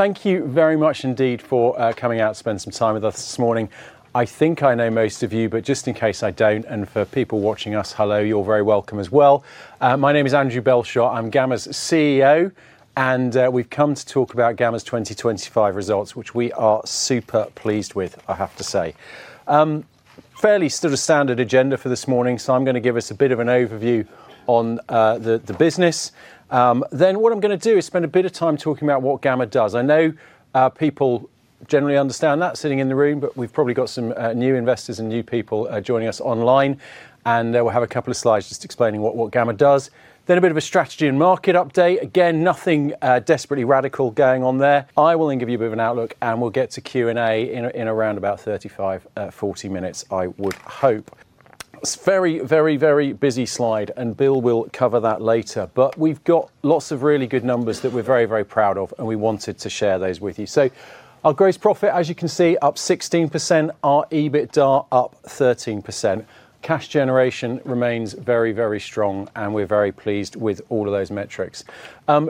Thank you very much indeed for coming out to spend some time with us this morning. I think I know most of you, but just in case I don't, and for people watching us, hello, you're very welcome as well. My name is Andrew Belshaw. I'm Gamma's CEO, and we've come to talk about Gamma's 2025 results, which we are super pleased with, I have to say. Fairly sort of standard agenda for this morning. I'm gonna give us a bit of an overview on the business. What I'm gonna do is spend a bit of time talking about what Gamma does. I know people generally understand that sitting in the room, but we've probably got some new investors and new people joining us online, and we'll have a couple of slides just explaining what Gamma does. Then a bit of a strategy and market update. Again, nothing desperately radical going on there. I will then give you a bit of an outlook, and we'll get to Q&A in around about 35, 40 minutes, I would hope. It's a very busy slide, and Bill will cover that later. But we've got lots of really good numbers that we're very proud of, and we wanted to share those with you. Our gross profit, as you can see, up 16%. Our EBITDA up 13%. Cash generation remains very strong, and we're very pleased with all of those metrics.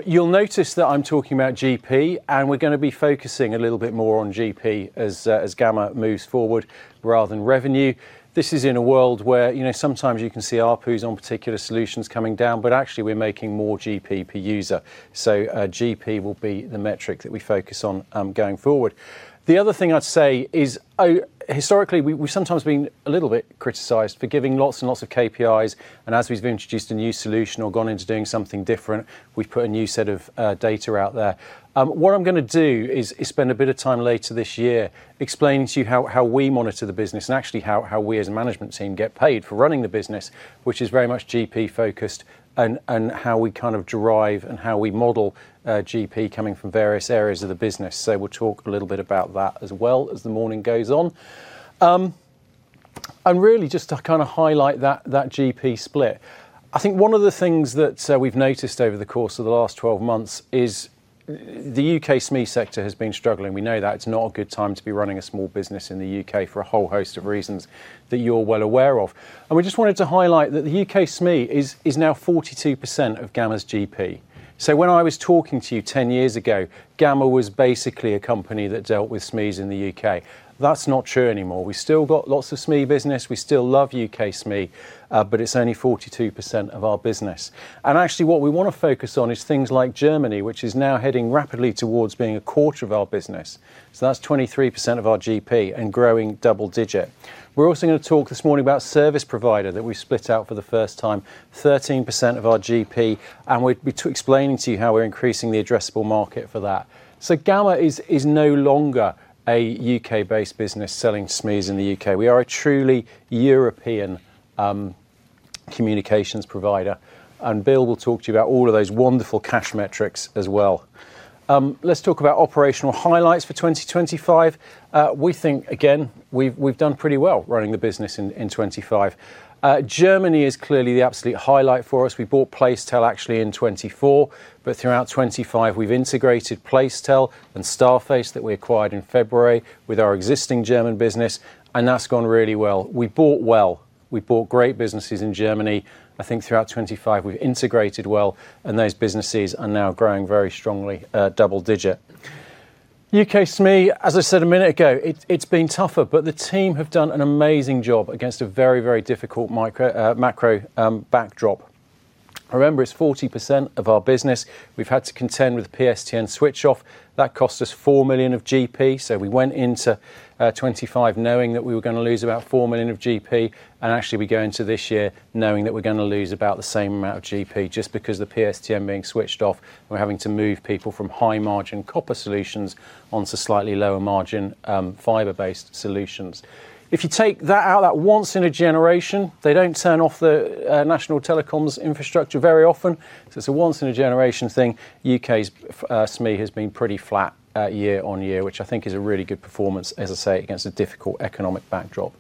You'll notice that I'm talking about GP, and we're gonna be focusing a little bit more on GP as Gamma moves forward rather than revenue. This is in a world where, you know, sometimes you can see ARPU's on particular solutions coming down, but actually we're making more GP per user. GP will be the metric that we focus on going forward. The other thing I'd say is historically, we've sometimes been a little bit criticized for giving lots and lots of KPIs, and as we've introduced a new solution or gone into doing something different, we've put a new set of data out there. What I'm gonna do is spend a bit of time later this year explaining to you how we monitor the business and actually how we as a management team get paid for running the business, which is very much GP-focused and how we kind of drive and how we model GP coming from various areas of the business. We'll talk a little bit about that as well as the morning goes on. Really just to kinda highlight that GP split. I think one of the things that we've noticed over the course of the last 12 months is the U.K. SME sector has been struggling. We know that. It's not a good time to be running a small business in the U.K. for a whole host of reasons that you're well aware of. We just wanted to highlight that the U.K. SME is now 42% of Gamma's GP. When I was talking to you 10 years ago, Gamma was basically a company that dealt with SMEs in the U.K. That's not true anymore. We've still got lots of SME business. We still love U.K. SME, but it's only 42% of our business. Actually what we wanna focus on is things like Germany, which is now heading rapidly towards being a quarter of our business. That's 23% of our GP and growing double digit. We're also gonna talk this morning about service provider that we split out for the first time, 13% of our GP, and we'd be explaining to you how we're increasing the addressable market for that. Gamma is no longer a U.K.-based business selling to SMEs in the U.K. We are a truly European communications provider, and Bill will talk to you about all of those wonderful cash metrics as well. Let's talk about operational highlights for 2025. We think, again, we've done pretty well running the business in 2025. Germany is clearly the absolute highlight for us. We bought Placetel actually in 2024, but throughout 2025, we've integrated Placetel and STARFACE that we acquired in February with our existing German business, and that's gone really well. We bought well. We bought great businesses in Germany. I think throughout 2025, we've integrated well, and those businesses are now growing very strongly, double-digit. U.K. SME, as I said a minute ago, it's been tougher, but the team have done an amazing job against a very difficult macro backdrop. Remember, it's 40% of our business. We've had to contend with PSTN switch off. That cost us 4 million of GP. We went into 2025 knowing that we were gonna lose about 4 million of GP, and actually we go into this year knowing that we're gonna lose about the same amount of GP just because the PSTN being switched off and we're having to move people from high-margin copper solutions onto slightly lower margin fiber-based solutions. If you take that out, that once in a generation they don't turn off the national telecoms infrastructure very often. It's a once in a generation thing. U.K.'s SME has been pretty flat year-over-year, which I think is a really good performance, as I say, against a difficult economic backdrop.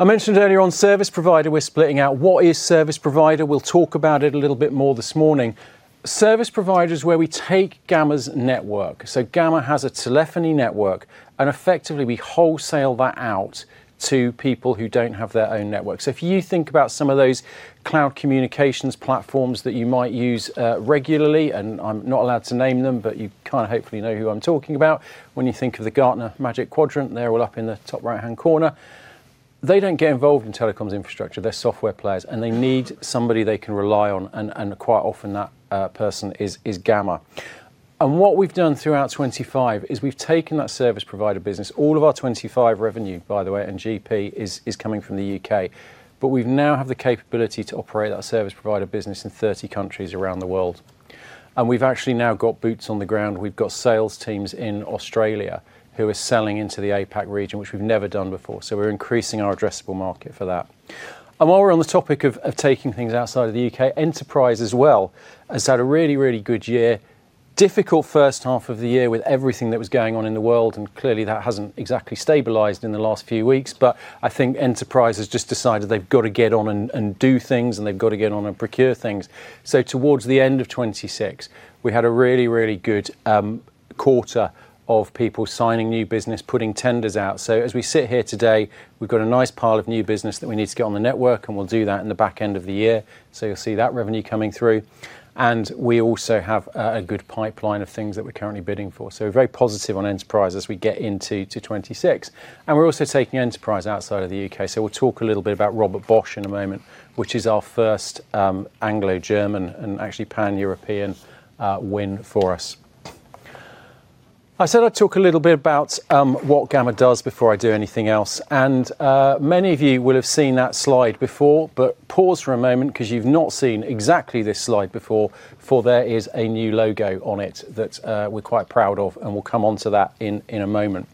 I mentioned earlier on service provider we're splitting out. What is service provider? We'll talk about it a little bit more this morning. Service provider is where we take Gamma's network. Gamma has a telephony network, and effectively we wholesale that out to people who don't have their own network. If you think about some of those cloud communications platforms that you might use regularly, and I'm not allowed to name them, but you kinda hopefully know who I'm talking about. When you think of the Gartner Magic Quadrant, they're all up in the top right-hand corner. They don't get involved in telecoms infrastructure. They're software players, and they need somebody they can rely on, and quite often that person is Gamma. What we've done throughout 2025 is we've taken that service provider business, all of our 2025 revenue, by the way, and GP is coming from the U.K., but we now have the capability to operate our service provider business in 30 countries around the world. We've actually now got boots on the ground. We've got sales teams in Australia who are selling into the APAC region, which we've never done before. We're increasing our addressable market for that. While we're on the topic of taking things outside of the U.K., enterprise as well has had a really, really good year. Difficult first half of the year with everything that was going on in the world, and clearly that hasn't exactly stabilized in the last few weeks. I think enterprise has just decided they've got to get on and do things, and they've got to get on and procure things. Towards the end of 2026, we had a really good quarter of people signing new business, putting tenders out. As we sit here today, we've got a nice pile of new business that we need to get on the network, and we'll do that in the back end of the year. You'll see that revenue coming through. We also have a good pipeline of things that we're currently bidding for. Very positive on enterprise as we get into 2026. We're also taking enterprise outside of the U.K. We'll talk a little bit about Robert Bosch in a moment, which is our first, Anglo-German and actually Pan-European, win for us. I said I'd talk a little bit about what Gamma does before I do anything else, and many of you will have seen that slide before, but pause for a moment because you've not seen exactly this slide before, for there is a new logo on it that we're quite proud of, and we'll come onto that in a moment.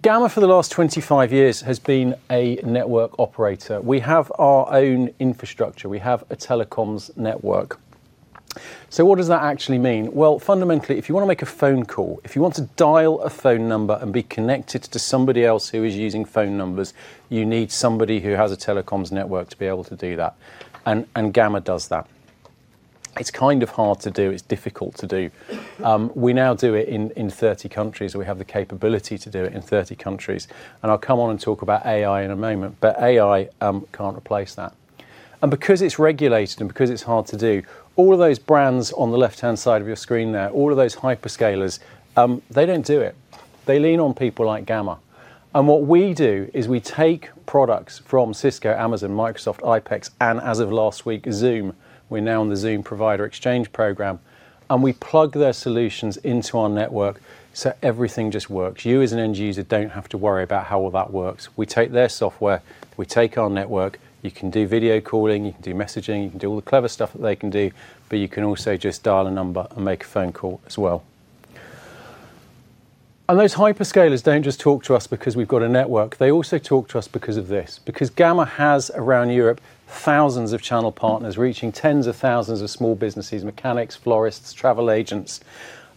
Gamma for the last 25 years has been a network operator. We have our own infrastructure. We have a telecoms network. What does that actually mean? Well, fundamentally, if you wanna make a phone call, if you want to dial a phone number and be connected to somebody else who is using phone numbers, you need somebody who has a telecoms network to be able to do that, and Gamma does that. It's kind of hard to do. It's difficult to do. We now do it in 30 countries, or we have the capability to do it in 30 countries, and I'll come on and talk about AI in a moment, but AI can't replace that. Because it's regulated and because it's hard to do, all of those brands on the left-hand side of your screen there, all of those hyperscalers, they don't do it. They lean on people like Gamma. What we do is we take products from Cisco, Amazon, Microsoft, IPX, and as of last week, Zoom, we're now on the Zoom Provider Exchange program, and we plug their solutions into our network, so everything just works. You as an end user don't have to worry about how all that works. We take their software, we take our network, you can do video calling, you can do messaging, you can do all the clever stuff that they can do, but you can also just dial a number and make a phone call as well. Those hyperscalers don't just talk to us because we've got a network. They also talk to us because of this. Because Gamma has around Europe thousands of channel partners reaching tens of thousands of small businesses, mechanics, florists, travel agents,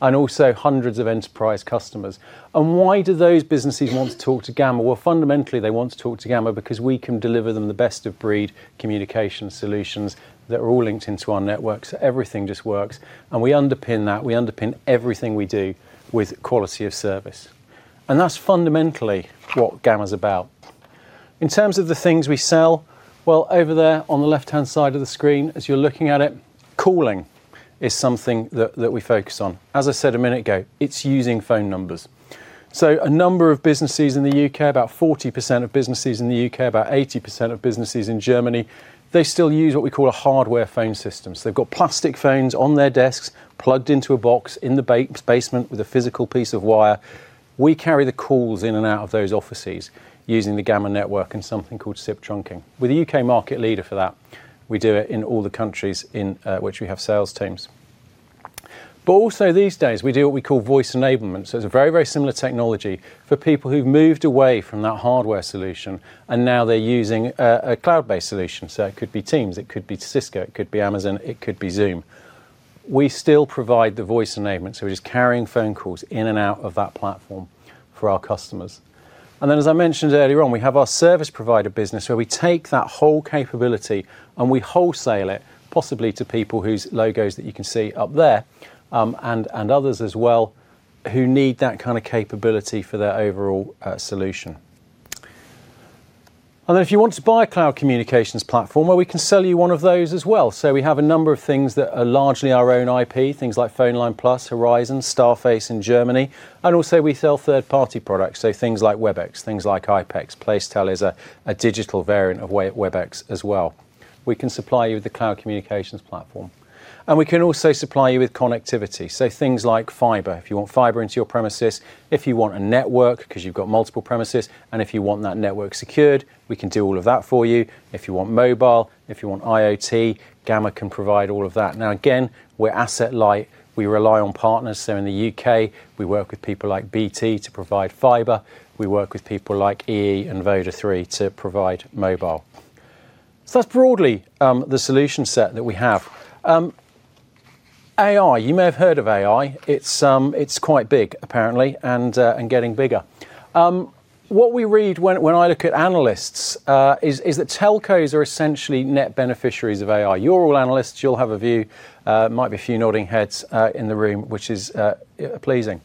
and also hundreds of enterprise customers. Why do those businesses want to talk to Gamma? Well, fundamentally, they want to talk to Gamma because we can deliver them the best of breed communication solutions that are all linked into our network, so everything just works. We underpin that. We underpin everything we do with quality of service. That's fundamentally what Gamma's about. In terms of the things we sell, well, over there on the left-hand side of the screen as you're looking at it, calling is something that we focus on. As I said a minute ago, it's using phone numbers. A number of businesses in the U.K., about 40% of businesses in the U.K., about 80% of businesses in Germany, they still use what we call a hardware phone system. They've got plastic phones on their desks plugged into a box in the basement with a physical piece of wire. We carry the calls in and out of those offices using the Gamma network and something called SIP trunking. We're the U.K. market leader for that. We do it in all the countries in which we have sales teams. Also these days, we do what we call voice enablement, so it's a very, very similar technology for people who've moved away from that hardware solution and now they're using a cloud-based solution. It could be Teams, it could be Cisco, it could be Amazon, it could be Zoom. We still provide the voice enablement, so we're just carrying phone calls in and out of that platform for our customers. As I mentioned earlier on, we have our service provider business where we take that whole capability and we wholesale it possibly to people whose logos that you can see up there, and others as well who need that kinda capability for their overall solution. If you want to buy a cloud communications platform, well, we can sell you one of those as well. We have a number of things that are largely our own IP, things like PhoneLine+, Horizon, STARFACE in Germany, and also we sell third-party products, so things like Webex, things like IPX. Placetel is a digital variant of Webex as well. We can supply you with a cloud communications platform. We can also supply you with connectivity, so things like fiber. If you want fiber into your premises, if you want a network because you've got multiple premises, and if you want that network secured, we can do all of that for you. If you want mobile, if you want IoT, Gamma can provide all of that. Now again, we're asset light. We rely on partners, so in the U.K., we work with people like BT to provide fiber. We work with people like EE, Voda Three to provide mobile. That's broadly the solution set that we have. AI, you may have heard of AI. It's quite big apparently and getting bigger. What we read when I look at analysts is that telcos are essentially net beneficiaries of AI. You're all analysts. You'll have a view. Might be a few nodding heads in the room, which is pleasing.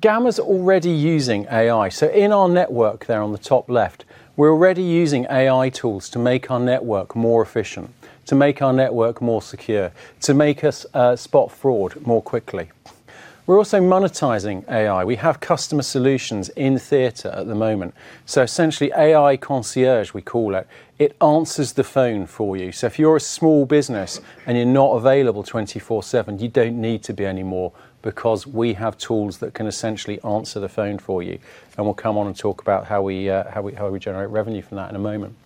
Gamma's already using AI. In our network there on the top left, we're already using AI tools to make our network more efficient, to make our network more secure, to make us spot fraud more quickly. We're also monetizing AI. We have customer solutions in the air at the moment. Essentially AI Concierge, we call it answers the phone for you. If you're a small business and you're not available 24/7, you don't need to be anymore because we have tools that can essentially answer the phone for you, and we'll come on and talk about how we generate revenue from that in a moment.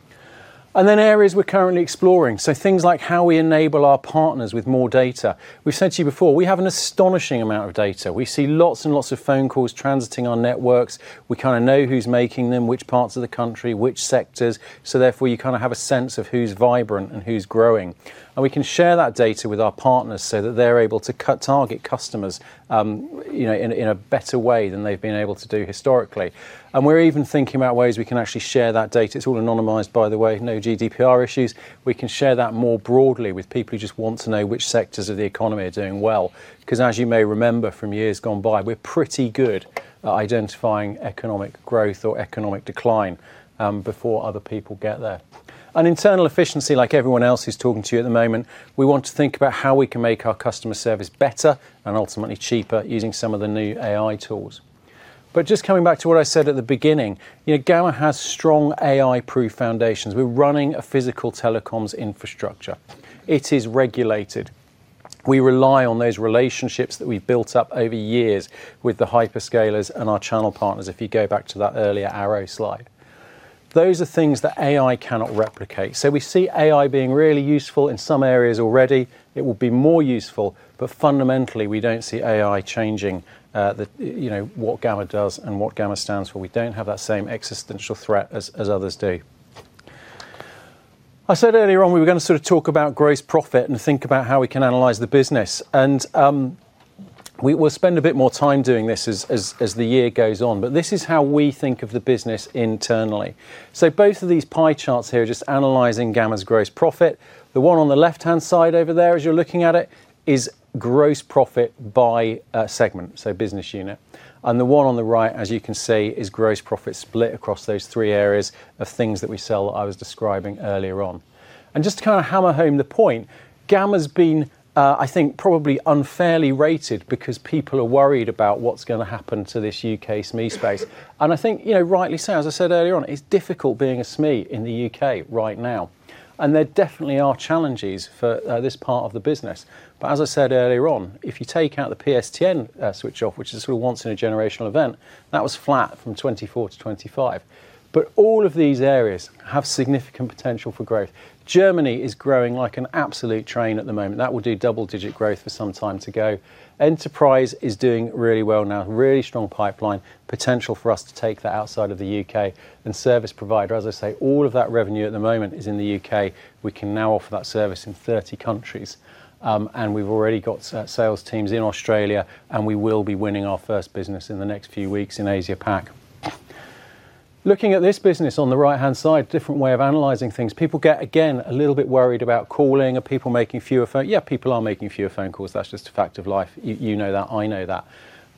Areas we're currently exploring, so things like how we enable our partners with more data. We've said to you before, we have an astonishing amount of data. We see lots and lots of phone calls transiting our networks. We kinda know who's making them, which parts of the country, which sectors, so therefore you kinda have a sense of who's vibrant and who's growing. We can share that data with our partners so that they're able to target customers, you know, in a better way than they've been able to do historically. We're even thinking about ways we can actually share that data. It's all anonymized, by the way. No GDPR issues. We can share that more broadly with people who just want to know which sectors of the economy are doing well because as you may remember from years gone by, we're pretty good at identifying economic growth or economic decline before other people get there. Internal efficiency, like everyone else who's talking to you at the moment, we want to think about how we can make our customer service better and ultimately cheaper using some of the new AI tools. Just coming back to what I said at the beginning, you know, Gamma has strong AI-proof foundations. We're running a physical telecoms infrastructure. It is regulated. We rely on those relationships that we've built up over years with the hyperscalers and our channel partners, if you go back to that earlier Arrow slide. Those are things that AI cannot replicate. We see AI being really useful in some areas already. It will be more useful, but fundamentally, we don't see AI changing, the, you know, what Gamma does and what Gamma stands for. We don't have that same existential threat as others do. I said earlier on we were gonna sort of talk about gross profit and think about how we can analyze the business, and we will spend a bit more time doing this as the year goes on. This is how we think of the business internally. Both of these pie charts here are just analyzing Gamma's gross profit. The one on the left-hand side over there, as you're looking at it, is gross profit by segment, so business unit. The one on the right, as you can see, is gross profit split across those three areas of things that we sell I was describing earlier on. Just to kinda hammer home the point, Gamma's been, I think, probably unfairly rated because people are worried about what's gonna happen to this U.K. SME space, and I think, you know, rightly so. As I said earlier on, it's difficult being a SME in the U.K. right now, and there definitely are challenges for this part of the business. As I said earlier on, if you take out the PSTN switch off, which is a once in a generational event, that was flat from 2024 to 2025. All of these areas have significant potential for growth. Germany is growing like an absolute train at the moment. That will do double-digit growth for some time to go. Enterprise is doing really well now, really strong pipeline, potential for us to take that outside of the U.K. Service provider, as I say, all of that revenue at the moment is in the U.K. We can now offer that service in 30 countries, and we've already got sales teams in Australia, and we will be winning our first business in the next few weeks in Asia Pac. Looking at this business on the right-hand side, different way of analyzing things. People get, again, a little bit worried about calling. Are people making fewer phone calls? Yeah, people are making fewer phone calls. That's just a fact of life. You know that. I know that.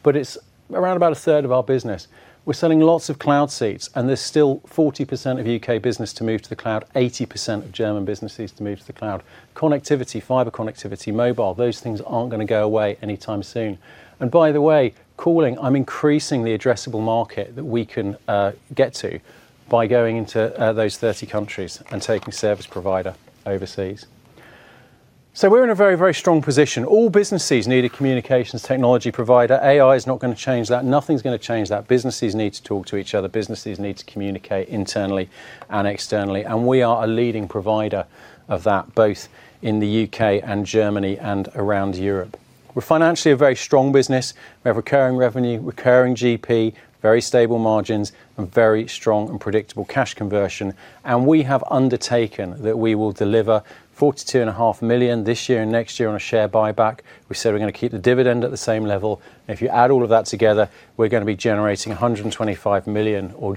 But it's around about a third of our business. We're selling lots of cloud seats, and there's still 40% of U.K. business to move to the cloud, 80% of German businesses to move to the cloud. Connectivity, fiber connectivity, mobile, those things aren't gonna go away anytime soon. By the way, calling, I'm increasing the addressable market that we can get to by going into those 30 countries and taking service provider overseas. We're in a very, very strong position. All businesses need a communications technology provider. AI is not gonna change that. Nothing's gonna change that. Businesses need to talk to each other. Businesses need to communicate internally and externally, and we are a leading provider of that, both in the U.K. and Germany and around Europe. We're financially a very strong business. We have recurring revenue, recurring GP, very stable margins, and very strong and predictable cash conversion, and we have undertaken that we will deliver 42.5 million this year and next year on a share buyback. We said we're gonna keep the dividend at the same level. If you add all of that together, we're gonna be generating 125 million or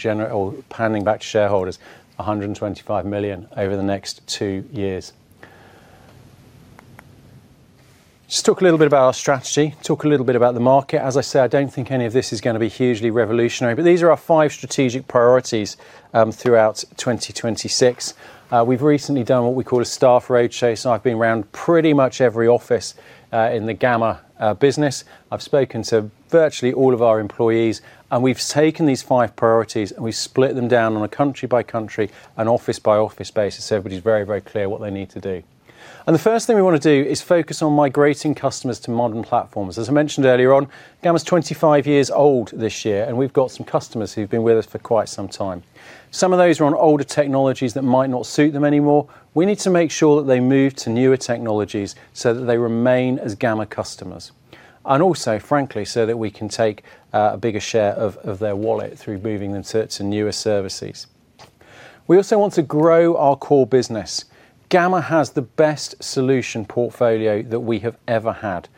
handing back to shareholders 125 million over the next two years. Just talk a little bit about our strategy, talk a little bit about the market. As I said, I don't think any of this is gonna be hugely revolutionary, but these are our 5 strategic priorities throughout 2026. We've recently done what we call a staff roadshow, so I've been around pretty much every office in the Gamma business. I've spoken to virtually all of our employees, and we've taken these five priorities, and we've split them down on a country-by-country and office-by-office basis, so everybody's very, very clear what they need to do. The first thing we wanna do is focus on migrating customers to modern platforms. As I mentioned earlier on, Gamma's 25 years old this year, and we've got some customers who've been with us for quite some time. Some of those are on older technologies that might not suit them anymore. We need to make sure that they move to newer technologies so that they remain as Gamma customers and also, frankly, so that we can take a bigger share of their wallet through moving them to newer services. We also want to grow our core business. Gamma has the best solution portfolio that we have ever had,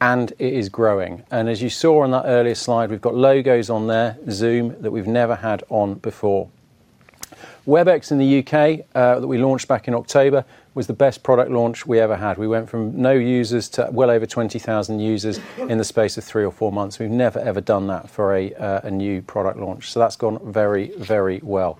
and it is growing. As you saw on that earlier slide, we've got logos on there, Zoom, that we've never had on before. Webex in the U.K. that we launched back in October was the best product launch we ever had. We went from no users to well over 20,000 users in the space of three or four months. We've never, ever done that for a new product launch. That's gone very, very well.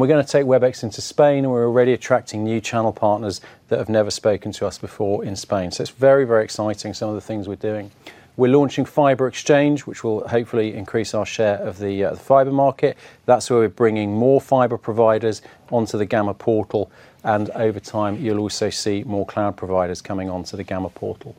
We're gonna take Webex into Spain, and we're already attracting new channel partners that have never spoken to us before in Spain. It's very, very exciting some of the things we're doing. We're launching Fiber Exchange, which will hopefully increase our share of the fiber market. That's where we're bringing more fiber providers onto the Gamma Portal, and over time, you'll also see more cloud providers coming onto the Gamma Portal.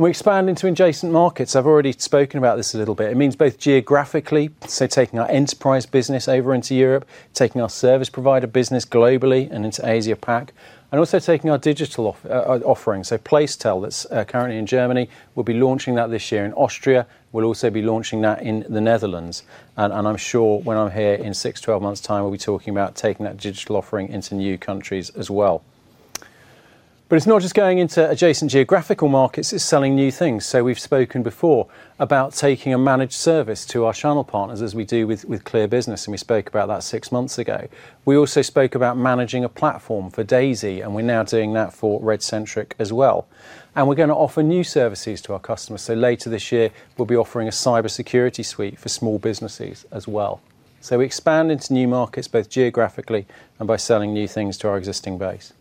We expand into adjacent markets. I've already spoken about this a little bit. It means both geographically, so taking our enterprise business over into Europe, taking our service provider business globally and into Asia Pac, and also taking our digital offering. Placetel that's currently in Germany, we'll be launching that this year in Austria. We'll also be launching that in the Netherlands, and I'm sure when I'm here in 6-12 months' time, we'll be talking about taking that digital offering into new countries as well. It's not just going into adjacent geographical markets, it's selling new things. We've spoken before about taking a managed service to our channel partners as we do with Clear Business, and we spoke about that six months ago. We also spoke about managing a platform for Daisy, and we're now doing that for Redcentric as well. We're gonna offer new services to our customers, so later this year we'll be offering a cybersecurity suite for small businesses as well. We expand into new markets, both geographically and by selling new things to our existing base.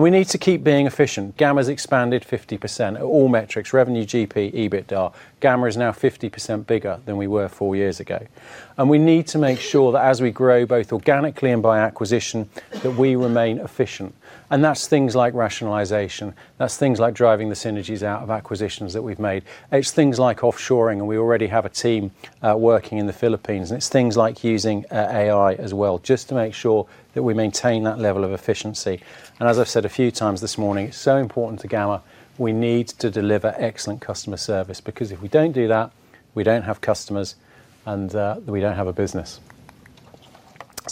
We need to keep being efficient. Gamma's expanded 50% at all metrics, revenue, GP, EBITDA. Gamma is now 50% bigger than we were four years ago. We need to make sure that as we grow, both organically and by acquisition, that we remain efficient. That's things like rationalization. That's things like driving the synergies out of acquisitions that we've made. It's things like offshoring, and we already have a team working in the Philippines. It's things like using AI as well, just to make sure that we maintain that level of efficiency. As I've said a few times this morning, it's so important to Gamma, we need to deliver excellent customer service, because if we don't do that, we don't have customers, and we don't have a business.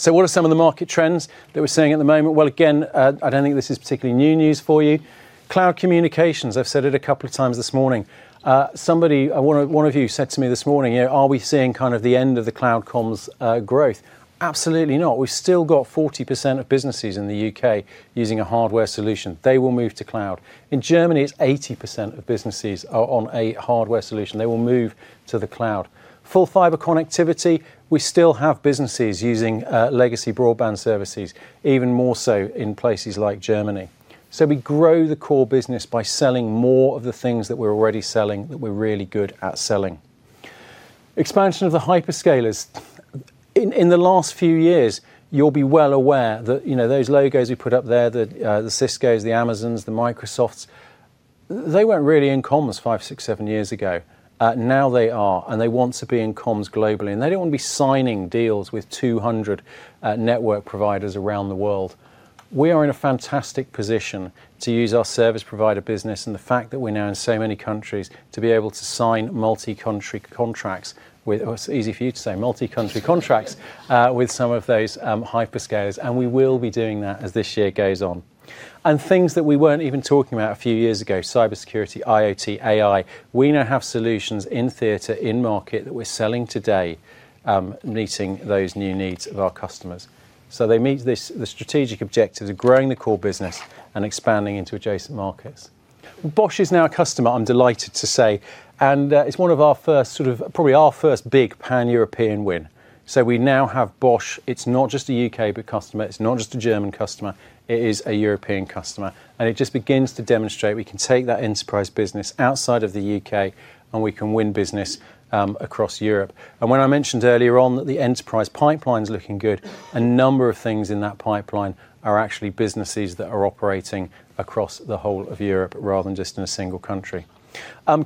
What are some of the market trends that we're seeing at the moment? Again, I don't think this is particularly new news for you. Cloud communications, I've said it a couple of times this morning. Somebody, one of you said to me this morning, you know, "Are we seeing kind of the end of the cloud comms growth?" Absolutely not. We've still got 40% of businesses in the U.K. using a hardware solution. They will move to cloud. In Germany, it's 80% of businesses are on a hardware solution. They will move to the cloud. Full fiber connectivity, we still have businesses using legacy broadband services, even more so in places like Germany. We grow the core business by selling more of the things that we're already selling, that we're really good at selling. Expansion of the hyperscalers. In the last few years, you'll be well aware that, you know, those logos we put up there, the Ciscos, the Amazons, the Microsofts, they weren't really in comms five, six, seven years ago. Now they are, and they want to be in comms globally, and they don't wanna be signing deals with 200 network providers around the world. We are in a fantastic position to use our service provider business and the fact that we're now in so many countries to be able to sign multi-country contracts with Oh, it's easy for you to say, multi-country contracts, with some of those, hyperscalers, and we will be doing that as this year goes on. Things that we weren't even talking about a few years ago, cybersecurity, IoT, AI, we now have solutions in theater, in market that we're selling today, meeting those new needs of our customers. They meet this, the strategic objectives of growing the core business and expanding into adjacent markets. Bosch is now a customer, I'm delighted to say, and it's one of our first probably our first big Pan-European win. We now have Bosch. It's not just a U.K. customer, it's not just a German customer, it is a European customer. It just begins to demonstrate we can take that enterprise business outside of the U.K., and we can win business, across Europe. When I mentioned earlier on that the enterprise pipeline's looking good, a number of things in that pipeline are actually businesses that are operating across the whole of Europe rather than just in a single country.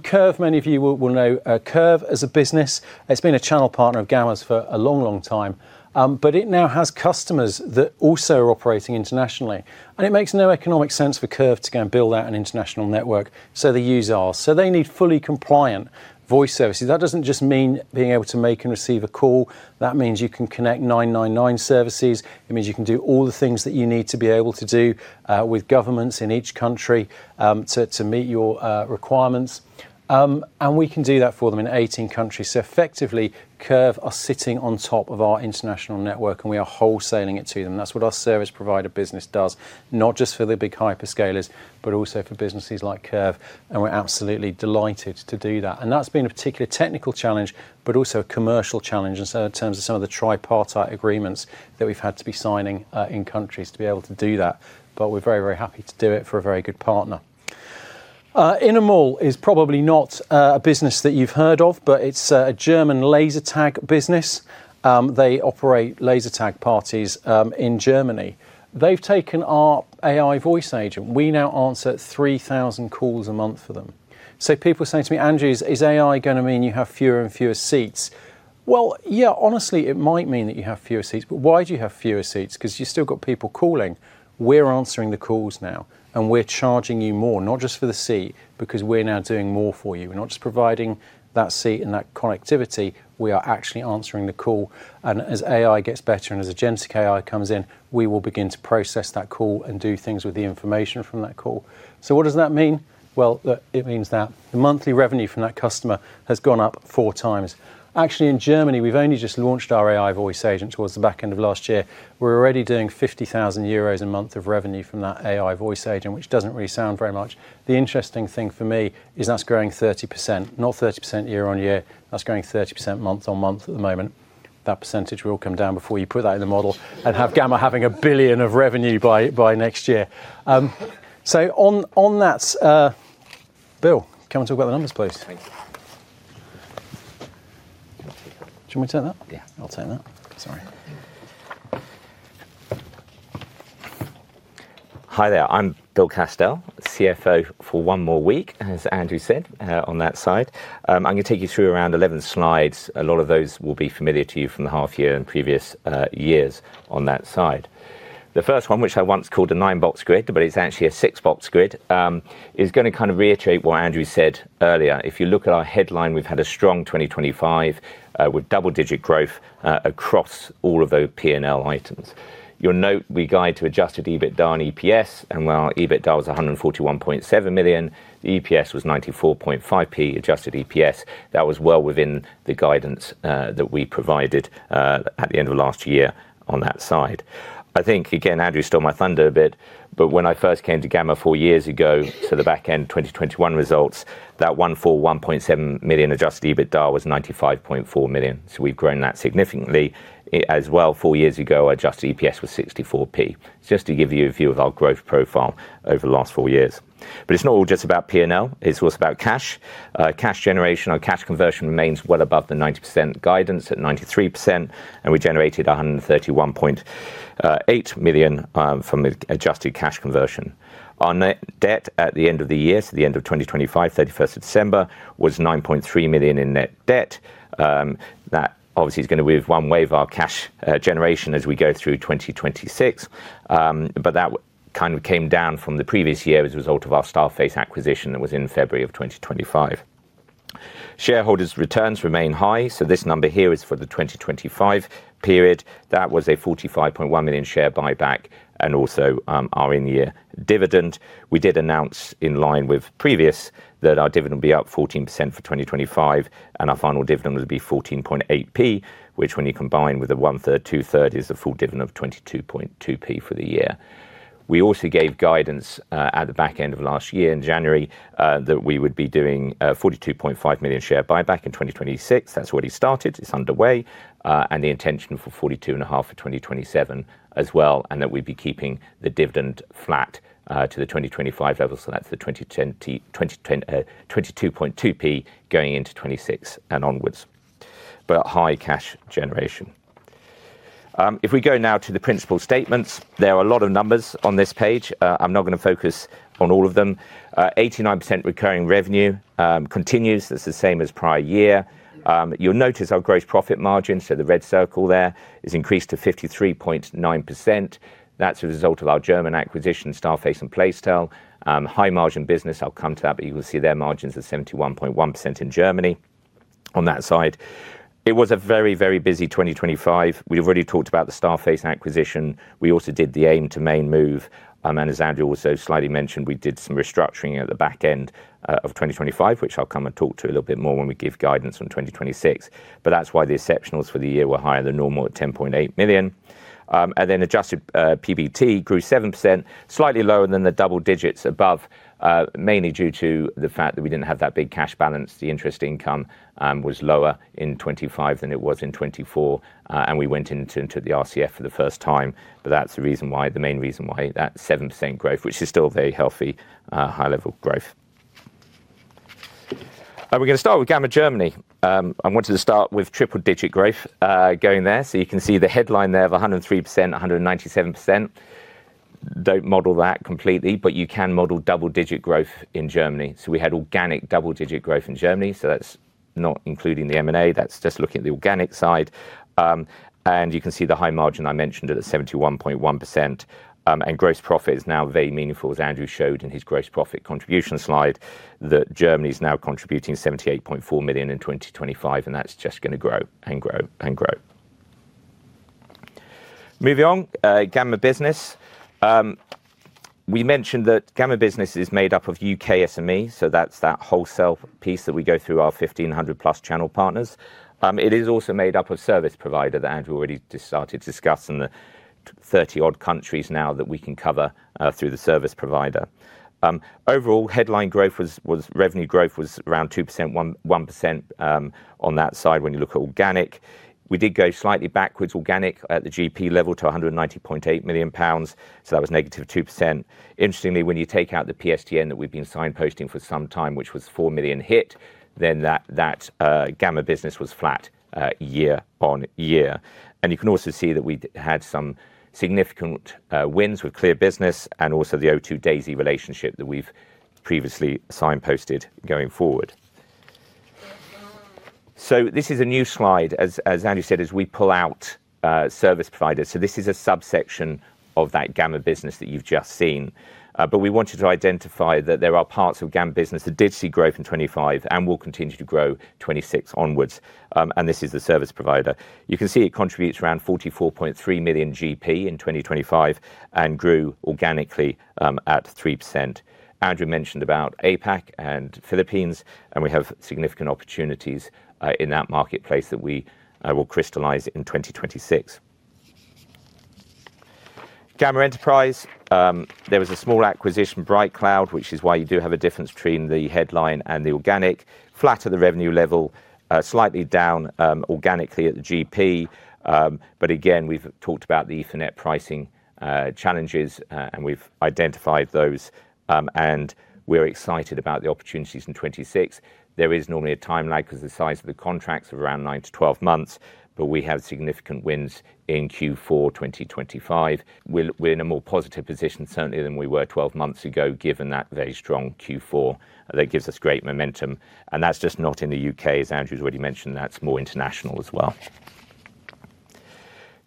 Curve, many of you will know. Curve as a business has been a channel partner of Gamma's for a long, long time. It now has customers that also are operating internationally. It makes no economic sense for Curve to go and build out an international network, so they use ours. They need fully compliant voice services. That doesn't just mean being able to make and receive a call. That means you can connect 999 services. It means you can do all the things that you need to be able to do, with governments in each country, to meet your requirements. We can do that for them in 18 countries. Effectively, Curve are sitting on top of our international network, and we are wholesaling it to them. That's what our service provider business does, not just for the big hyperscalers, but also for businesses like Curve, and we're absolutely delighted to do that. That's been a particular technical challenge, but also a commercial challenge in terms of some of the tripartite agreements that we've had to be signing in countries to be able to do that. We're very, very happy to do it for a very good partner. Innomol is probably not a business that you've heard of, but it's a German laser tag business. They operate laser tag parties in Germany. They've taken our AI voice agent. We now answer 3,000 calls a month for them. People are saying to me, "Andrew, is AI gonna mean you have fewer and fewer seats?" Well, yeah, honestly, it might mean that you have fewer seats, but why do you have fewer seats? 'Cause you've still got people calling. We're answering the calls now, and we're charging you more, not just for the seat, because we're now doing more for you. We're not just providing that seat and that connectivity, we are actually answering the call. As AI gets better and as agentic AI comes in, we will begin to process that call and do things with the information from that call. What does that mean? Well, it means that the monthly revenue from that customer has gone up 4 times. Actually, in Germany, we've only just launched our AI voice agent towards the back end of last year. We're already doing 50,000 euros a month of revenue from that AI voice agent, which doesn't really sound very much. The interesting thing for me is that's growing 30%. Not 30% year-on-year, that's growing 30% month-on-month at the moment. That percentage will come down before you put that in the model and have Gamma having 1 billion of revenue by next year. Bill, come and talk about the numbers, please. Thank you. Do you want me to take that? Yeah. I'll take that. Sorry. Hi there. I'm Bill Castell, CFO for one more week, as Andrew said, on that side. I'm gonna take you through around 11 slides. A lot of those will be familiar to you from the half year and previous years on that side. The first one, which I once called a nine-box grid, but it's actually a six-box grid, is gonna kind of reiterate what Andrew said earlier. If you look at our headline, we've had a strong 2025, with double-digit growth across all of those P&L items. You'll note we guide to adjusted EBITDA and EPS, and while our EBITDA was 141.7 million, the EPS was 94.5p, adjusted EPS. That was well within the guidance that we provided at the end of last year on that side. I think, again, Andrew stole my thunder a bit, but when I first came to Gamma four years ago, so the back end of 2021 results, that 141.7 million adjusted EBITDA was 95.4 million. We've grown that significantly. As well, four years ago, adjusted EPS was 64p. Just to give you a view of our growth profile over the last four years. It's not all just about P&L, it's also about cash generation. Our cash conversion remains well above the 90% guidance at 93%, and we generated 131.8 million from the adjusted cash conversion. Our net debt at the end of the year, so the end of 2025, 31st of December, was 9.3 million in net debt. That obviously is gonna be one wave of our cash generation as we go through 2026. That kind of came down from the previous year as a result of our STARFACE acquisition that was in February 2025. Shareholders' returns remain high. This number here is for the 2025 period. That was a 45.1 million share buyback and also our in-year dividend. We did announce in line with previous that our dividend will be up 14% for 2025, and our final dividend will be 14.8p, which when you combine with the 1/3, 2/3, is a full dividend of 22.2p for the year. We also gave guidance at the back end of last year in January that we would be doing a 42.5 million share buyback in 2026. That's already started. It's underway, and the intention for 42.5 for 2027 as well, and that we'd be keeping the dividend flat to the 2025 level. That's the 22.2p going into 2026 and onwards. But high cash generation. If we go now to the principal statements, there are a lot of numbers on this page. I'm not gonna focus on all of them. 89% recurring revenue continues. That's the same as prior year. You'll notice our gross profit margin, so the red circle there, is increased to 53.9%. That's a result of our German acquisition, STARFACE and Placetel. High margin business, I'll come to that, but you will see their margins are 71.1% in Germany on that side. It was a very, very busy 2025. We've already talked about the STARFACE acquisition. We also did the AIM to Main move. As Andrew also slightly mentioned, we did some restructuring at the back end of 2025, which I'll come and talk to a little bit more when we give guidance on 2026. That's why the exceptionals for the year were higher than normal at 10.8 million. Adjusted PBT grew 7%, slightly lower than the double digits above, mainly due to the fact that we didn't have that big cash balance. The interest income was lower in 2025 than it was in 2024, and we went into the RCF for the first time. That's the reason why, the main reason why that 7% growth, which is still very healthy, high-level growth. We're gonna start with Gamma Germany. I wanted to start with triple-digit growth, going there. You can see the headline there of 103%, 197%. Don't model that completely, but you can model double-digit growth in Germany. We had organic double-digit growth in Germany, so that's not including the M&A. That's just looking at the organic side. You can see the high margin I mentioned at the 71.1%, and gross profit is now very meaningful, as Andrew showed in his gross profit contribution slide, that Germany is now contributing 78.4 million in 2025, and that's just gonna grow and grow and grow. Moving on, Gamma Business. We mentioned that Gamma Business is made up of U.K. SME, so that's that wholesale piece that we go through our 1,500-plus channel partners. It is also made up of service provider that Andrew already started to discuss in the 30-odd countries now that we can cover through the service provider. Overall headline growth revenue growth was around 2%, 1% on that side when you look at organic. We did go slightly backwards organically at the GP level to 190.8 million pounds, so that was -2%. Interestingly, when you take out the PSTN that we've been signposting for some time, which was 4 million hit, then that Gamma business was flat year on year. You can also see that we had some significant wins with Clear Business and also the O2 Daisy relationship that we've previously signposted going forward. This is a new slide, as Andrew said, as we pull out service providers. This is a subsection of that Gamma business that you've just seen. We wanted to identify that there are parts of Gamma business that did see growth in 2025 and will continue to grow 2026 onwards. This is the service provider. You can see it contributes around 44.3 million GP in 2025 and grew organically at 3%. Andrew mentioned about APAC and Philippines, and we have significant opportunities in that marketplace that we will crystallize in 2026. Gamma Enterprise, there was a small acquisition, BrightCloud, which is why you do have a difference between the headline and the organic. Flat at the revenue level, slightly down organically at the GP. But again, we've talked about the Ethernet pricing challenges, and we've identified those, and we're excited about the opportunities in 2026. There is normally a time lag 'cause the size of the contracts of around 9-12 months, but we have significant wins in Q4 2025. We're in a more positive position certainly than we were 12 months ago, given that very strong Q4 that gives us great momentum, and that's just not in the U.K., as Andrew's already mentioned. That's more international as well.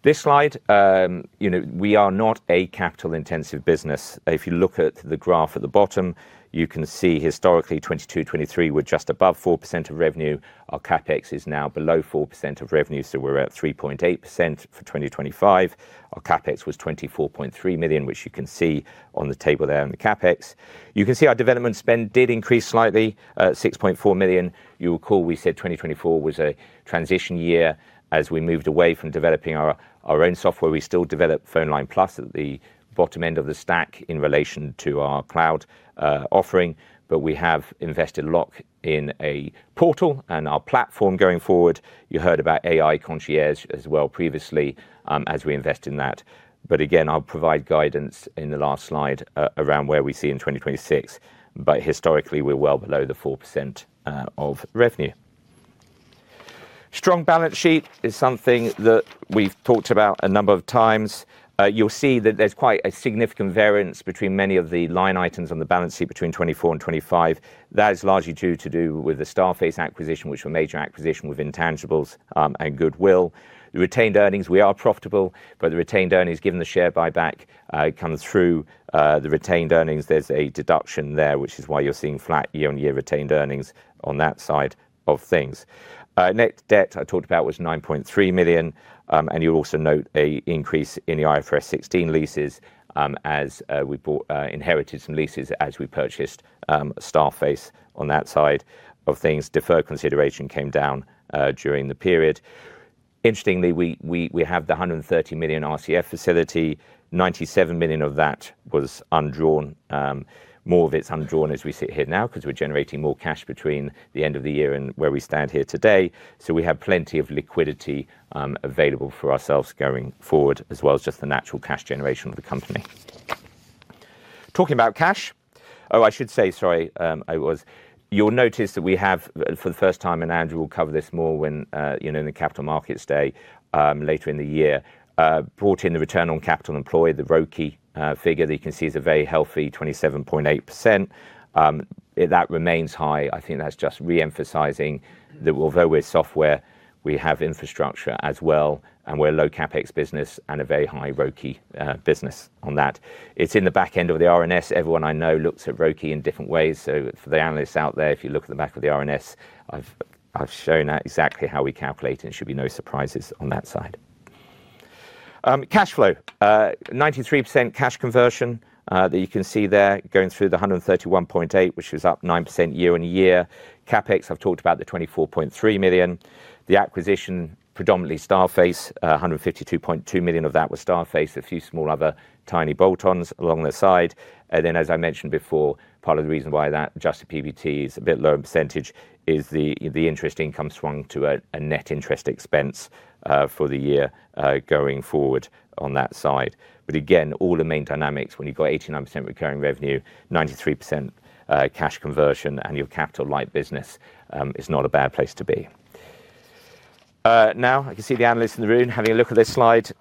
This slide, you know, we are not a capital-intensive business. If you look at the graph at the bottom, you can see historically 2022, 2023 were just above 4% of revenue. Our CapEx is now below 4% of revenue, so we're at 3.8% for 2025. Our CapEx was 24.3 million, which you can see on the table there in the CapEx. You can see our development spend did increase slightly, 6.4 million. You'll recall we said 2024 was a transition year as we moved away from developing our own software. We still develop PhoneLine+ at the bottom end of the stack in relation to our cloud offering, but we have invested a lot in a portal and our platform going forward. You heard about AI Concierge as well previously, as we invest in that. I'll provide guidance in the last slide around where we see in 2026. Historically, we're well below the 4% of revenue. Strong balance sheet is something that we've talked about a number of times. You'll see that there's quite a significant variance between many of the line items on the balance sheet between 2024 and 2025. That is largely due to the STARFACE acquisition, which was a major acquisition with intangibles and goodwill. The retained earnings, we are profitable, but the retained earnings, given the share buyback, comes through the retained earnings. There's a deduction there, which is why you're seeing flat year-on-year retained earnings on that side of things. Net debt I talked about was 9.3 million, and you'll also note an increase in the IFRS 16 leases, as we inherited some leases as we purchased STARFACE on that side of things. Deferred consideration came down during the period. Interestingly, we have the 130 million RCF facility. 97 million of that was undrawn. More of it's undrawn as we sit here now 'cause we're generating more cash between the end of the year and where we stand here today. We have plenty of liquidity available for ourselves going forward, as well as just the natural cash generation of the company. Talking about cash. Oh, I should say, sorry, I was... You'll notice that we have, for the first time, and Andrew will cover this more when, you know, in the Capital Markets Day, later in the year, brought in the return on capital employed. The ROCE figure that you can see is a very healthy 27.8%. That remains high. I think that's just re-emphasizing that although we're software, we have infrastructure as well, and we're a low CapEx business and a very high ROCE business on that. It's in the back end of the RNS. Everyone I know looks at ROCE in different ways. For the analysts out there, if you look at the back of the RNS, I've shown exactly how we calculate it, and there should be no surprises on that side. Cash flow. 93% cash conversion that you can see there going through the 131.8, which was up 9% year-on-year. CapEx, I've talked about the 24.3 million. The acquisition, predominantly STARFACE, 152.2 million of that was STARFACE, a few small other tiny bolt-ons along the side. As I mentioned before, part of the reason why that adjusted PBT is a bit lower percentage is the interest income swung to a net interest expense for the year, going forward on that side. Again, all the main dynamics, when you've got 89% recurring revenue, 93% cash conversion, and you're a capital light business, it's not a bad place to be. Now I can see the analysts in the room having a look at this slide.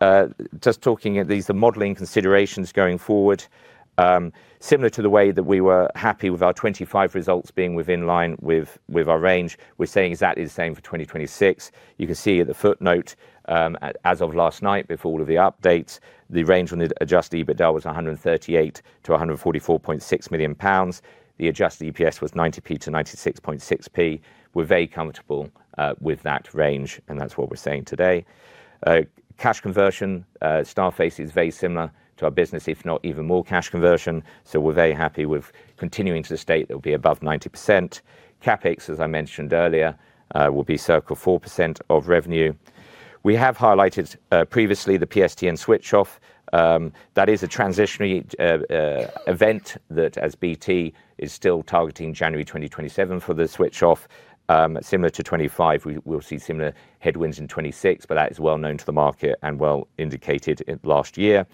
Just talking, these are modeling considerations going forward. Similar to the way that we were happy with our 2025 results being in line with our range, we're saying exactly the same for 2026. You can see at the footnote, as of last night, before all of the updates, the range on the adjusted EBITDA was 138 million-144.6 million pounds. The adjusted EPS was 90p-96.6p. We're very comfortable with that range, and that's what we're saying today. Cash conversion, STARFACE is very similar to our business, if not even more cash conversion, so we're very happy with continuing to state that we'll be above 90%. CapEx, as I mentioned earlier, will be circa 4% of revenue. We have highlighted previously the PSTN switch off. That is a transitional event that, as BT is still targeting January 2027 for the switch off. Similar to 2025, we'll see similar headwinds in 2026, but that is well known to the market and well indicated last year.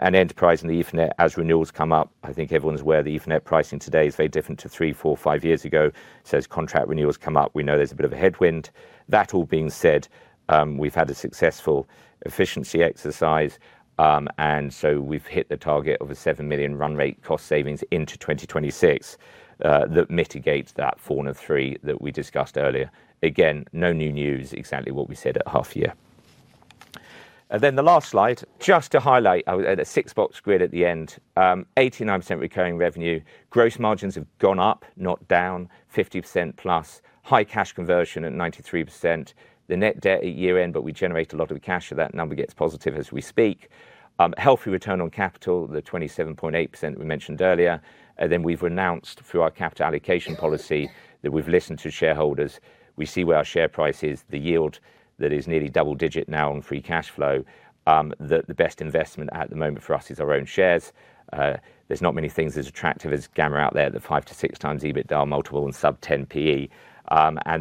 Enterprise and Ethernet as renewals come up. I think everyone's aware that the Ethernet pricing today is very different to three, four, five years ago. As contract renewals come up, we know there's a bit of a headwind. That all being said, we've had a successful efficiency exercise, and so we've hit the target of a 7 million run rate cost savings into 2026, that mitigates that 4% and 3% that we discussed earlier. Again, no new news, exactly what we said at half year. Then the last slide, just to highlight, the six-box grid at the end. 89% recurring revenue. Gross margins have gone up, not down, 50% plus. High cash conversion at 93%. The net debt at year-end, but we generate a lot of the cash, so that number gets positive as we speak. Healthy return on capital, the 27.8% we mentioned earlier. We've renounced through our capital allocation policy that we've listened to shareholders. We see where our share price is, the yield that is nearly double digit now on free cash flow, that the best investment at the moment for us is our own shares. There's not many things as attractive as Gamma out there, the 5x-6x EBITDA multiple and sub-10 PE.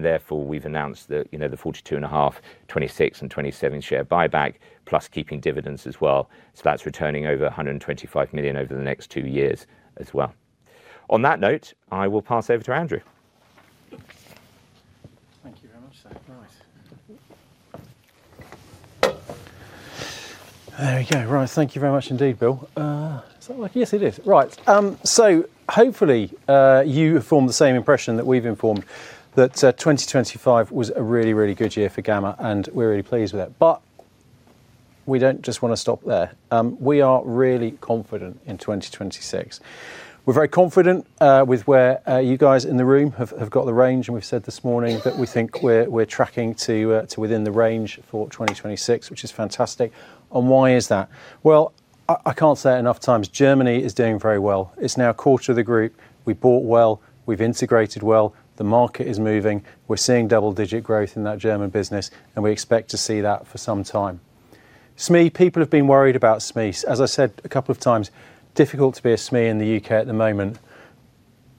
Therefore, we've announced the, you know, the 42.5, 26, and 27 share buyback, plus keeping dividends as well. That's returning over 125 million over the next two years as well. On that note, I will pass over to Andrew. Thank you very much, sir. Right. There we go. Right. Thank you very much indeed, Bill. Is that working? Yes, it is. Right. So hopefully, you have formed the same impression that we've formed that 2025 was a really good year for Gamma, and we're really pleased with it. But we don't just wanna stop there. We are really confident in 2026. We're very confident with where you guys in the room have got the range, and we've said this morning that we think we're tracking to within the range for 2026, which is fantastic. Why is that? Well, I can't say it enough times. Germany is doing very well. It's now a quarter of the group. We bought well. We've integrated well. The market is moving. We're seeing double-digit growth in that German business, and we expect to see that for some time. SME, people have been worried about SMEs. As I said a couple of times, it's difficult to be a SME in the U.K. at the moment.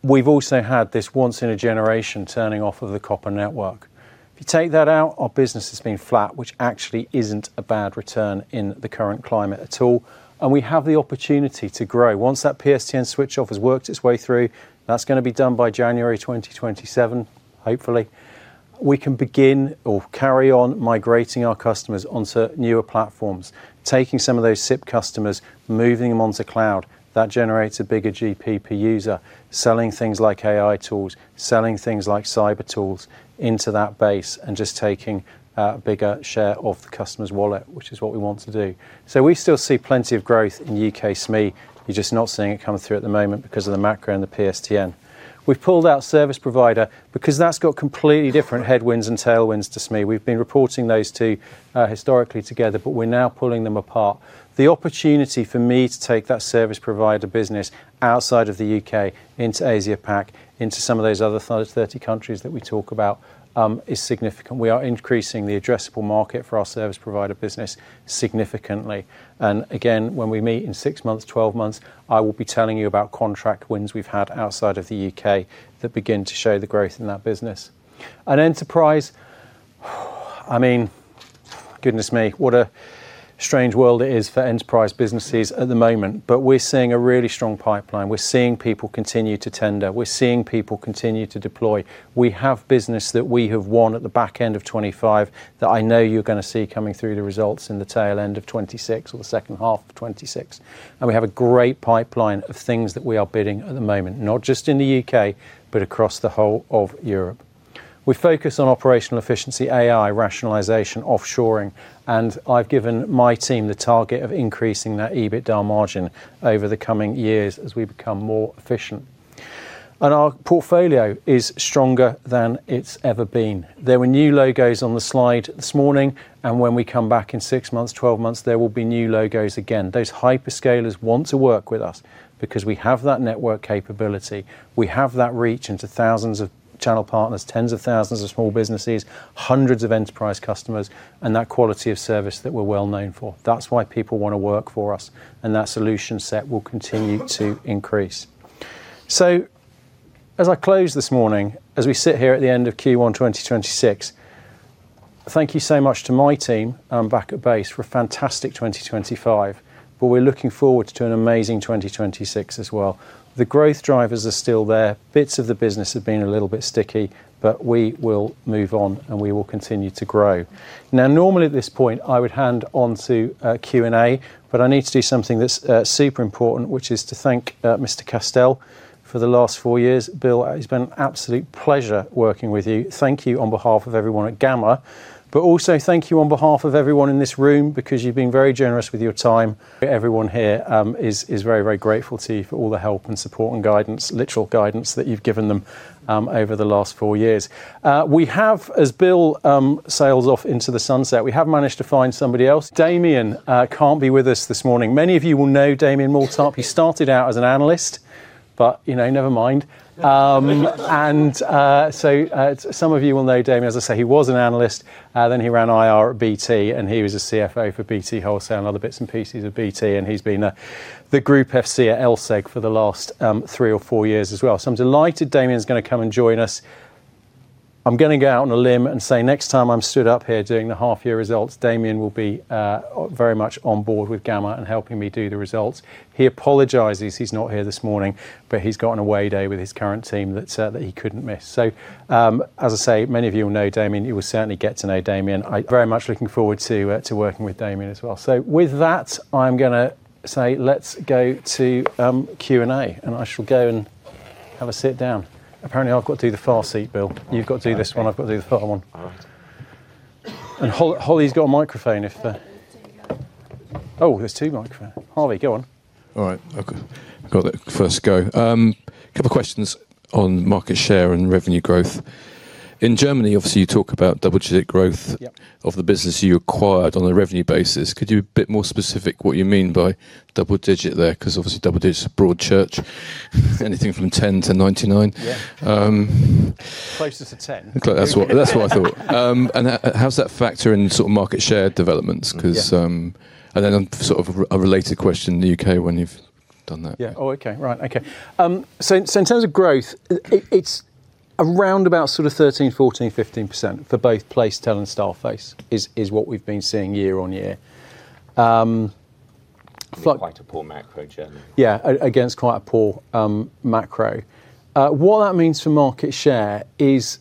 We've also had this once in a generation turning off of the copper network. If you take that out, our business has been flat, which actually isn't a bad return in the current climate at all, and we have the opportunity to grow. Once that PSTN switch off has worked its way through, that's gonna be done by January 2027, hopefully. We can begin or carry on migrating our customers onto newer platforms, taking some of those SIP customers, moving them onto cloud. That generates a bigger GP per user. Selling things like AI tools, selling things like cyber tools into that base, and just taking a bigger share of the customer's wallet, which is what we want to do. We still see plenty of growth in U.K. SME. You're just not seeing it come through at the moment because of the macro and the PSTN. We've pulled out service provider because that's got completely different headwinds and tailwinds to SME. We've been reporting those two historically together, but we're now pulling them apart. The opportunity for me to take that service provider business outside of the U.K. into Asia Pac, into some of those other 30 countries that we talk about, is significant. We are increasing the addressable market for our service provider business significantly. Again, when we meet in six months, 12 months, I will be telling you about contract wins we've had outside of the U.K. that begin to show the growth in that business. Enterprise, I mean, goodness me, what a strange world it is for enterprise businesses at the moment, but we're seeing a really strong pipeline. We're seeing people continue to tender. We're seeing people continue to deploy. We have business that we have won at the back end of 2025 that I know you're gonna see coming through the results in the tail end of 2026 or the second half of 2026. We have a great pipeline of things that we are bidding at the moment, not just in the U.K., but across the whole of Europe. We focus on operational efficiency, AI, rationalization, offshoring, and I've given my team the target of increasing that EBITDA margin over the coming years as we become more efficient. Our portfolio is stronger than it's ever been. There were new logos on the slide this morning, and when we come back in six months, 12 months, there will be new logos again. Those hyperscalers want to work with us because we have that network capability. We have that reach into thousands of channel partners, tens of thousands of small businesses, hundreds of enterprise customers, and that quality of service that we're well known for. That's why people wanna work for us, and that solution set will continue to increase. As I close this morning, as we sit here at the end of Q1 2026, thank you so much to my team back at base for a fantastic 2025. We're looking forward to an amazing 2026 as well. The growth drivers are still there. Bits of the business have been a little bit sticky, but we will move on, and we will continue to grow. Now, normally, at this point, I would hand over to a Q&A, but I need to do something that's super important, which is to thank Mr. Castell for the last four years. Bill, it's been an absolute pleasure working with you. Thank you on behalf of everyone at Gamma, but also thank you on behalf of everyone in this room because you've been very generous with your time. Everyone here is very, very grateful to you for all the help and support and guidance, literal guidance, that you've given them over the last four years. As Bill sails off into the sunset, we have managed to find somebody else. Damian can't be with us this morning. Many of you will know Damian Moultrie. He started out as an analyst, but, you know, never mind. Some of you will know Damian. As I say, he was an analyst, then he ran IR at BT, and he was a CFO for BT Wholesale and other bits and pieces of BT, and he's been the group FC at LSEG for the last three or four years as well. I'm delighted Damian's gonna come and join us. I'm gonna go out on a limb and say next time I'm stood up here doing the half-year results, Damian will be very much on board with Gamma and helping me do the results. He apologizes he's not here this morning, but he's got an away day with his current team that he couldn't miss. As I say, many of you will know Damian. You will certainly get to know Damian. I'm very much looking forward to working with Damian as well. With that, I'm gonna say let's go to Q&A, and I shall go and have a sit down. Apparently, I've got to do the far seat, Bill. You've got to do this one. I've got to do the far one. All right. Holly's got a microphone if. Oh, there's two microphones. Holly, go on. All right. Okay. Got it. First go. Couple of questions on market share and revenue growth. In Germany, obviously, you talk about double-digit growth. Yep. Of the business you acquired on a revenue basis. Could you be a bit more specific what you mean by double-digit there? Because obviously double-digit's a broad church. Anything from 10%-99%. Yeah. Closer to 10. That's what I thought. How does that factor in sort of market share developments? 'Cause Yeah. Sort of a related question, the U.K., when you've done that. In terms of growth, it's around about sort of 13%, 14%, 15% for both Placetel and STARFACE, is what we've been seeing year-over-year. Against quite a poor macro, Germany. Yeah. Against quite a poor macro. What that means for market share is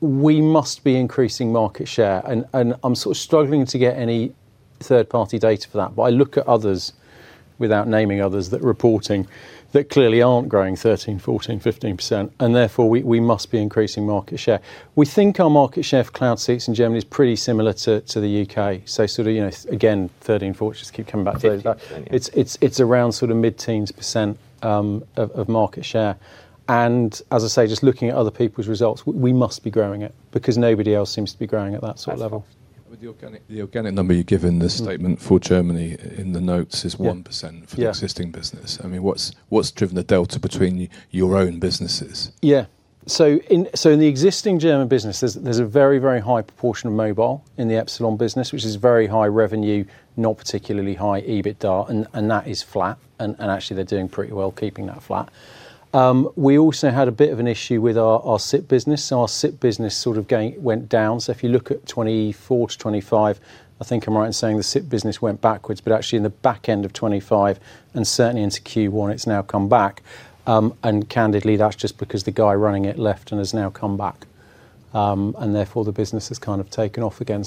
we must be increasing market share and I'm sort of struggling to get any third-party data for that. I look at others, without naming others, that are reporting that clearly aren't growing 13%, 14%, 15%, and therefore we must be increasing market share. We think our market share for cloud seats in Germany is pretty similar to the U.K. Sort of, you know, again, 13%, 14%. Just keep coming back to those. It's around sort of mid-teens percent of market share. As I say, just looking at other people's results, we must be growing it because nobody else seems to be growing at that sort of level. With the organic number you give in the statement for Germany in the notes is 1%. Yeah. for the existing business. I mean, what's driven the delta between your own businesses? Yeah. In the existing German business, there's a very high proportion of mobile in the Epsilon business, which is very high revenue, not particularly high EBITDA, and that is flat. Actually they're doing pretty well keeping that flat. We also had a bit of an issue with our SIP business. Our SIP business went down. If you look at 2024 to 2025, I think I'm right in saying the SIP business went backwards, but actually in the back end of 2025 and certainly into Q1, it's now come back. Candidly, that's just because the guy running it left and has now come back. Therefore the business has kind of taken off again.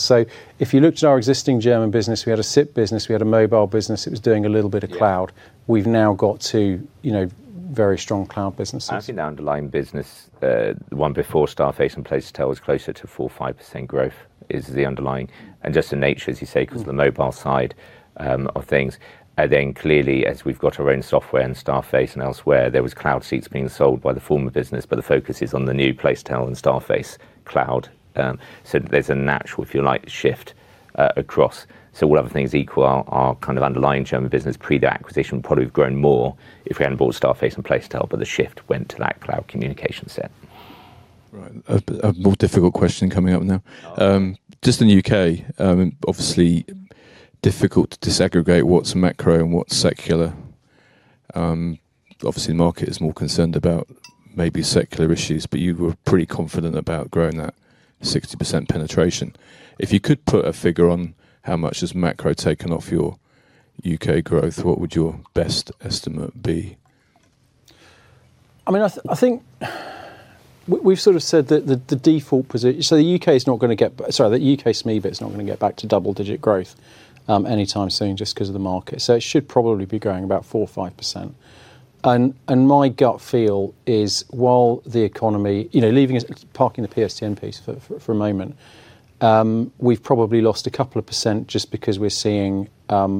If you looked at our existing German business, we had a SIP business, we had a mobile business, it was doing a little bit of cloud. Yeah. We've now got two, you know, very strong cloud businesses. Actually, the underlying business, the one before STARFACE and Placetel was closer to 4%-5% growth is the underlying. Just the nature, as you say. 'Cause the mobile side of things, then clearly as we've got our own software in STARFACE and elsewhere, there was cloud seats being sold by the former business, but the focus is on the new Placetel and STARFACE cloud. There's a natural, if you like, shift across. All other things equal, our kind of underlying German business pre the acquisition probably would've grown more if we hadn't bought STARFACE and Placetel, but the shift went to that cloud communication set. Right. A more difficult question coming up now. Just in the U.K., obviously difficult to disaggregate what's macro and what's secular. Obviously the market is more concerned about maybe secular issues, but you were pretty confident about growing that 60% penetration. If you could put a figure on how much has macro taken off your U.K. growth, what would your best estimate be? I mean, I think we've sort of said that the default position. The U.K. SME bit's not gonna get back to double-digit growth anytime soon just 'cause of the market. It should probably be growing about 4%-5%. My gut feel is while the economy, you know, leaving it, parking the PSTN piece for a moment, we've probably lost a couple of percent just because we're seeing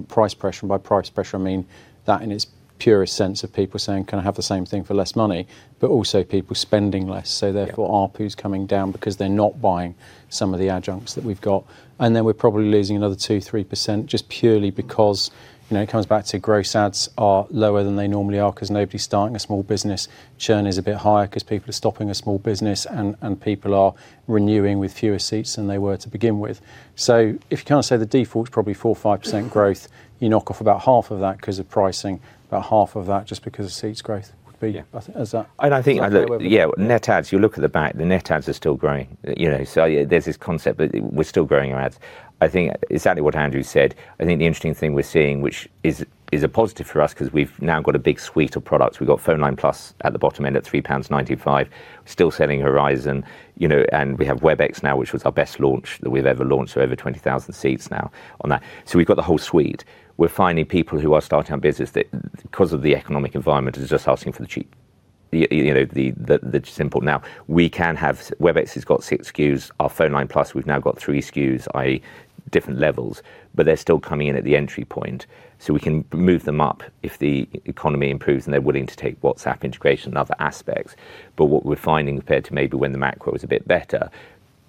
price pressure. By price pressure I mean that in its purest sense of people saying, "Can I have the same thing for less money?" Also people spending less. Therefore, ARPU's coming down because they're not buying some of the adjuncts that we've got. Then we're probably losing another 2%-3% just purely because, you know, it comes back to gross adds are lower than they normally are 'cause nobody's starting a small business. Churn is a bit higher 'cause people are stopping a small business and people are renewing with fewer seats than they were to begin with. If you kinda say the default is probably 4%-5% growth, you knock off about half of that 'cause of pricing, about half of that just because of seats growth. Is that? I think, yeah, net adds, you look at the back, the net adds are still growing. You know, yeah, there's this concept that we're still growing our adds. I think exactly what Andrew said. I think the interesting thing we're seeing, which is a positive for us 'cause we've now got a big suite of products. We've got PhoneLine+ at the bottom end at 3.95 pounds. Still selling Horizon, you know, and we have Webex now, which was our best launch that we've ever launched, so over 20,000 seats now on that. We've got the whole suite. We're finding people who are starting a business that because of the economic environment is just asking for the cheap, you know, the simple. Webex has got six SKUs. Our PhoneLine+, we've now got three SKUs, i.e. different levels, but they're still coming in at the entry point. We can move them up if the economy improves, and they're willing to take WhatsApp integration and other aspects. What we're finding compared to maybe when the macro was a bit better,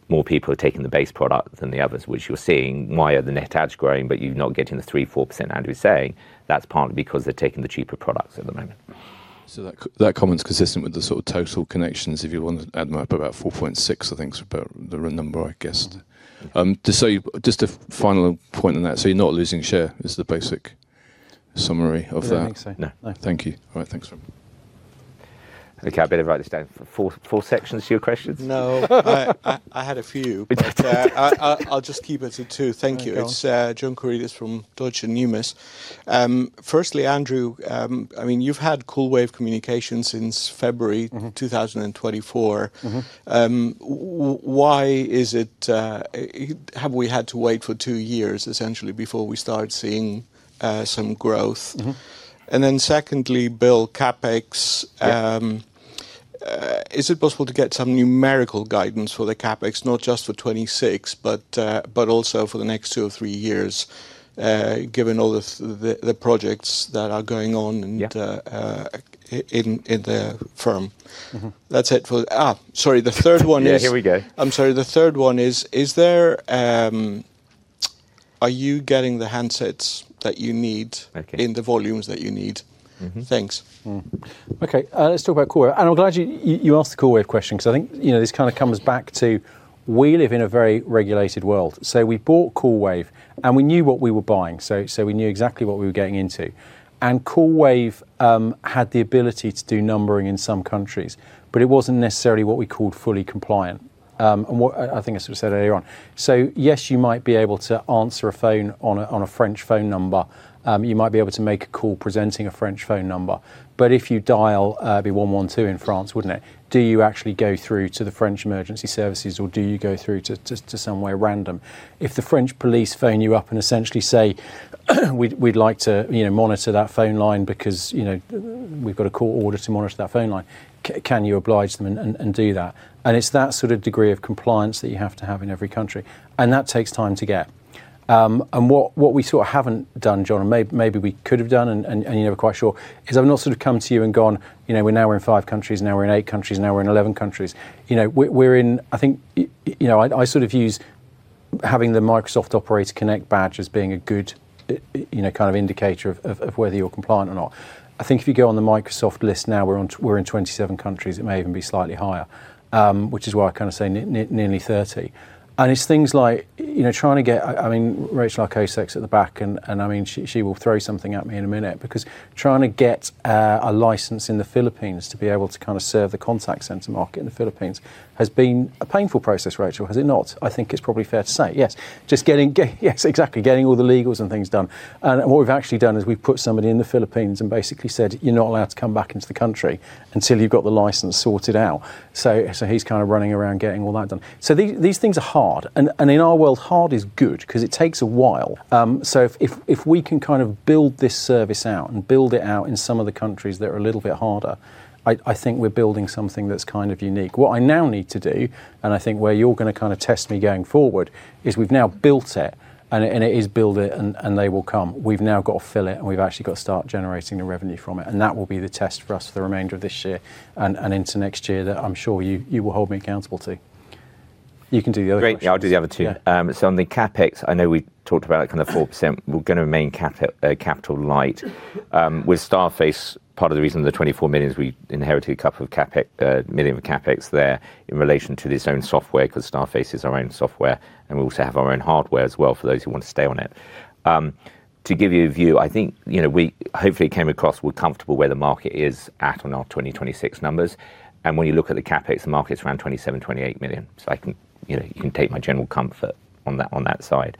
more people are taking the base product than the others, which you're seeing why are the net adds growing, but you're not getting the 3%-4% Andrew was saying. That's partly because they're taking the cheaper products at the moment. That comment's consistent with the sort of total connections, if you want to add them up, about 4.6, I think, is about the number I guessed. Just so you. Just a final point on that. You're not losing share is the basic summary of that. I don't think so, no. No. Thank you. All right. Thanks. Okay, I better write this down. Four sections to your questions? No. I had a few. I'll just keep it to two. Thank you. No worries. It's John Corrigan from Deutsche Numis. Firstly, Andrew, I mean, you've had Coolwave Communications since February 2024. Why is it? Have we had to wait for two years essentially before we start seeing some growth? Secondly, Bill, CapEx. Is it possible to get some numerical guidance for the CapEx, not just for 2026 but also for the next two or three years, given all the projects that are going on and Yeah in the firm? Sorry. The third one is. Yeah, here we go. I'm sorry. The third one is, are you getting the handsets that you need? Okay in the volumes that you need? Thanks. Okay, let's talk about Coolwave. I'm glad you asked the Coolwave question 'cause I think, you know, this kinda comes back to we live in a very regulated world. We bought Coolwave, and we knew what we were buying. We knew exactly what we were getting into. Coolwave had the ability to do numbering in some countries, but it wasn't necessarily what we called fully compliant, and what I think I sort of said earlier on. Yes, you might be able to answer a phone on a French phone number. You might be able to make a call presenting a French phone number. But if you dial, it'd be 112 in France, wouldn't it? Do you actually go through to the French emergency services, or do you go through to somewhere random? If the French police phone you up and essentially say, "We'd like to, you know, monitor that phone line because, you know, we've got a court order to monitor that phone line," can you oblige them and do that? It's that sort of degree of compliance that you have to have in every country, and that takes time to get. What we sort of haven't done, John, and maybe we could have done and you're never quite sure, is I've not sort of come to you and gone, "You know, we're now in five countries. Now we're in eight countries. Now we're in 11 countries." You know, we're in. I think you know, I sort of use having the Microsoft Operator Connect badge as being a good, you know, kind of indicator of whether you're compliant or not. I think if you go on the Microsoft list now, we're in 27 countries. It may even be slightly higher, which is why I kinda say nearly 30. It's things like, you know, trying to get I mean, Rachel Arkless is at the back, and I mean, she will throw something at me in a minute because trying to get a license in the Philippines to be able to kinda serve the contact center market in the Philippines has been a painful process, Rachel, has it not? I think it's probably fair to say. Yes. Just getting. Yes, exactly. Getting all the legals and things done. What we've actually done is we've put somebody in the Philippines and basically said, "You're not allowed to come back into the country until you've got the license sorted out." He's kind of running around getting all that done. These things are hard. In our world, hard is good 'cause it takes a while. If we can kind of build this service out and build it out in some of the countries that are a little bit harder, I think we're building something that's kind of unique. What I now need to do, and I think where you're gonna kinda test me going forward, is we've now built it, and it is build it and they will come. We've now gotta fill it, and we've actually gotta start generating the revenue from it. That will be the test for us for the remainder of this year and into next year that I'm sure you will hold me accountable to. You can do the other questions. Great. Yeah, I'll do the other two. On the CapEx, I know we talked about it, kind of 4%. We're gonna remain capital light. With STARFACE, part of the reason the 24 million is we inherited a couple of CapEx million of CapEx there in relation to their own software 'cause STARFACE is our own software, and we also have our own hardware as well for those who wanna stay on it. To give you a view, I think, you know, we hopefully came across we're comfortable where the market is at on our 2026 numbers. When you look at the CapEx, the market's around 27 million-28 million. So I can, you know, you can take my general comfort on that, on that side.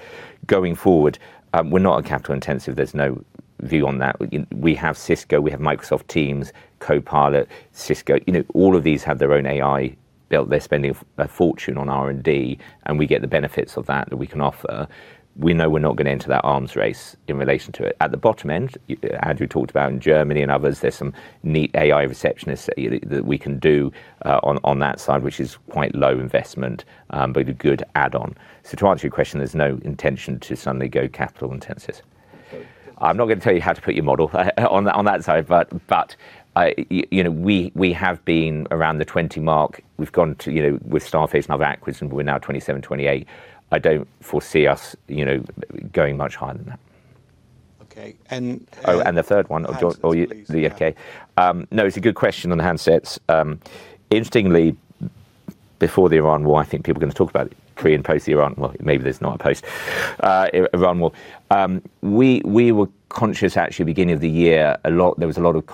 Going forward, we're not a capital intensive. There's no view on that. We have Cisco, we have Microsoft Teams, Copilot, Cisco. You know, all of these have their own AI build. They're spending a fortune on R&D, and we get the benefits of that we can offer. We know we're not gonna enter that arms race in relation to it. At the bottom end, Andrew talked about in Germany and others, there's some neat AI receptionists that we can do on that side, which is quite low investment, but a good add-on. To answer your question, there's no intention to suddenly go capital intensive. I'm not gonna tell you how to put your model on that side, but you know, we have been around the 20 mark. We've gone to, you know, with STARFACE and other acquisitions, we're now at 27, 28. I don't foresee us, you know, going much higher than that. Okay. Oh, the third one. Handsets, please, yeah. Okay. No, it's a good question on the handsets. Interestingly, before the tariff war, I think people are gonna talk about pre and post tariff war. We were conscious actually beginning of the year a lot. There was a lot of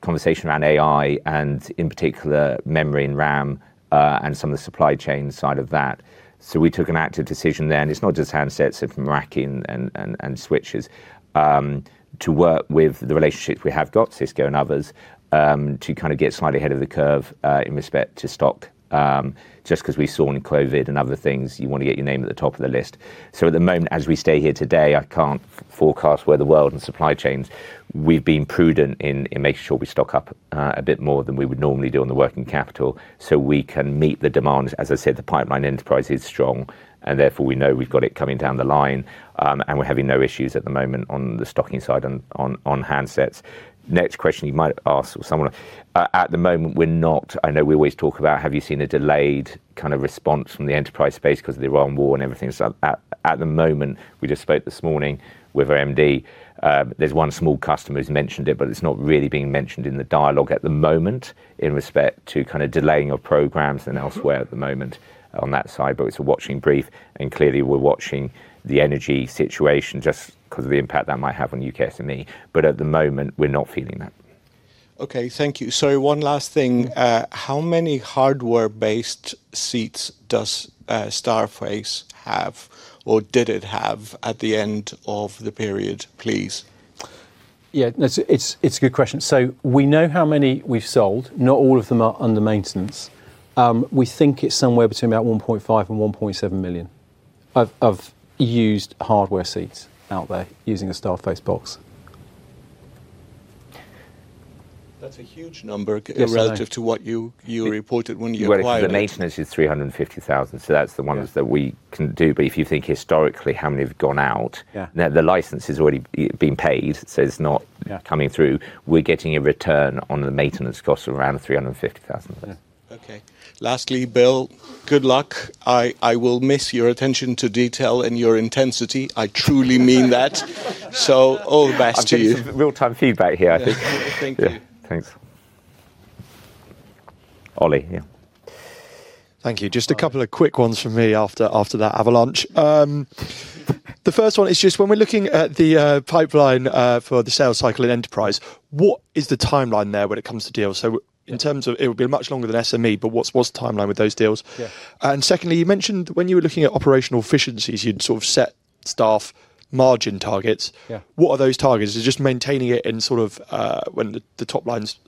conversation around AI and in particular memory and RAM, and some of the supply chain side of that. We took an active decision there, and it's not just handsets, it's racking and switches, to work with the relationships we have got, Cisco and others, to kinda get slightly ahead of the curve, in respect to stock. Just 'cause we saw in COVID and other things, you wanna get your name at the top of the list. At the moment, as we sit here today, I can't forecast where the world and supply chains. We've been prudent in making sure we stock up a bit more than we would normally do on the working capital, so we can meet the demands. As I said, the pipeline enterprise is strong, and therefore, we know we've got it coming down the line, and we're having no issues at the moment on the stocking side on handsets. Next question you might ask or someone. At the moment, we're not. I know we always talk about have you seen a delayed kind of response from the enterprise space 'cause of the tariff war and everything. At the moment, we just spoke this morning with our MD. There's one small customer who's mentioned it, but it's not really being mentioned in the dialogue at the moment in respect to kinda delaying of programs and elsewhere at the moment on that side. It's a watching brief, and clearly, we're watching the energy situation just 'cause of the impact that might have on U.K. SME. At the moment, we're not feeling that. Okay, thank you. Sorry, one last thing. How many hardware-based seats does STARFACE have or did it have at the end of the period, please? Yeah, that's a good question. We know how many we've sold. Not all of them are under maintenance. We think it's somewhere between about 1.5-1.7 million used hardware seats out there using a STARFACE box. That's a huge number. Yes, I know. relative to what you reported when you acquired it. Well, if the maintenance is 350,000, so that's the ones that we can do. If you think historically how many have gone out- Yeah now the license has already been paid, so it's not- Yeah ...coming through. We're getting a return on the maintenance costs of around 350,000. Okay. Lastly, Bill, good luck. I will miss your attention to detail and your intensity. I truly mean that. All the best to you. I'm getting some real-time feedback here, I think. Thank you. Thanks. Ollie, yeah. Thank you. Just a couple of quick ones from me after that avalanche. The first one is just when we're looking at the pipeline for the sales cycle in enterprise, what is the timeline there when it comes to deals? In terms of it would be much longer than SME, but what's the timeline with those deals? Yeah. Secondly, you mentioned when you were looking at operational efficiencies, you'd sort of set staff margin targets. Yeah. What are those targets? Is it just maintaining it in sort of when the top line's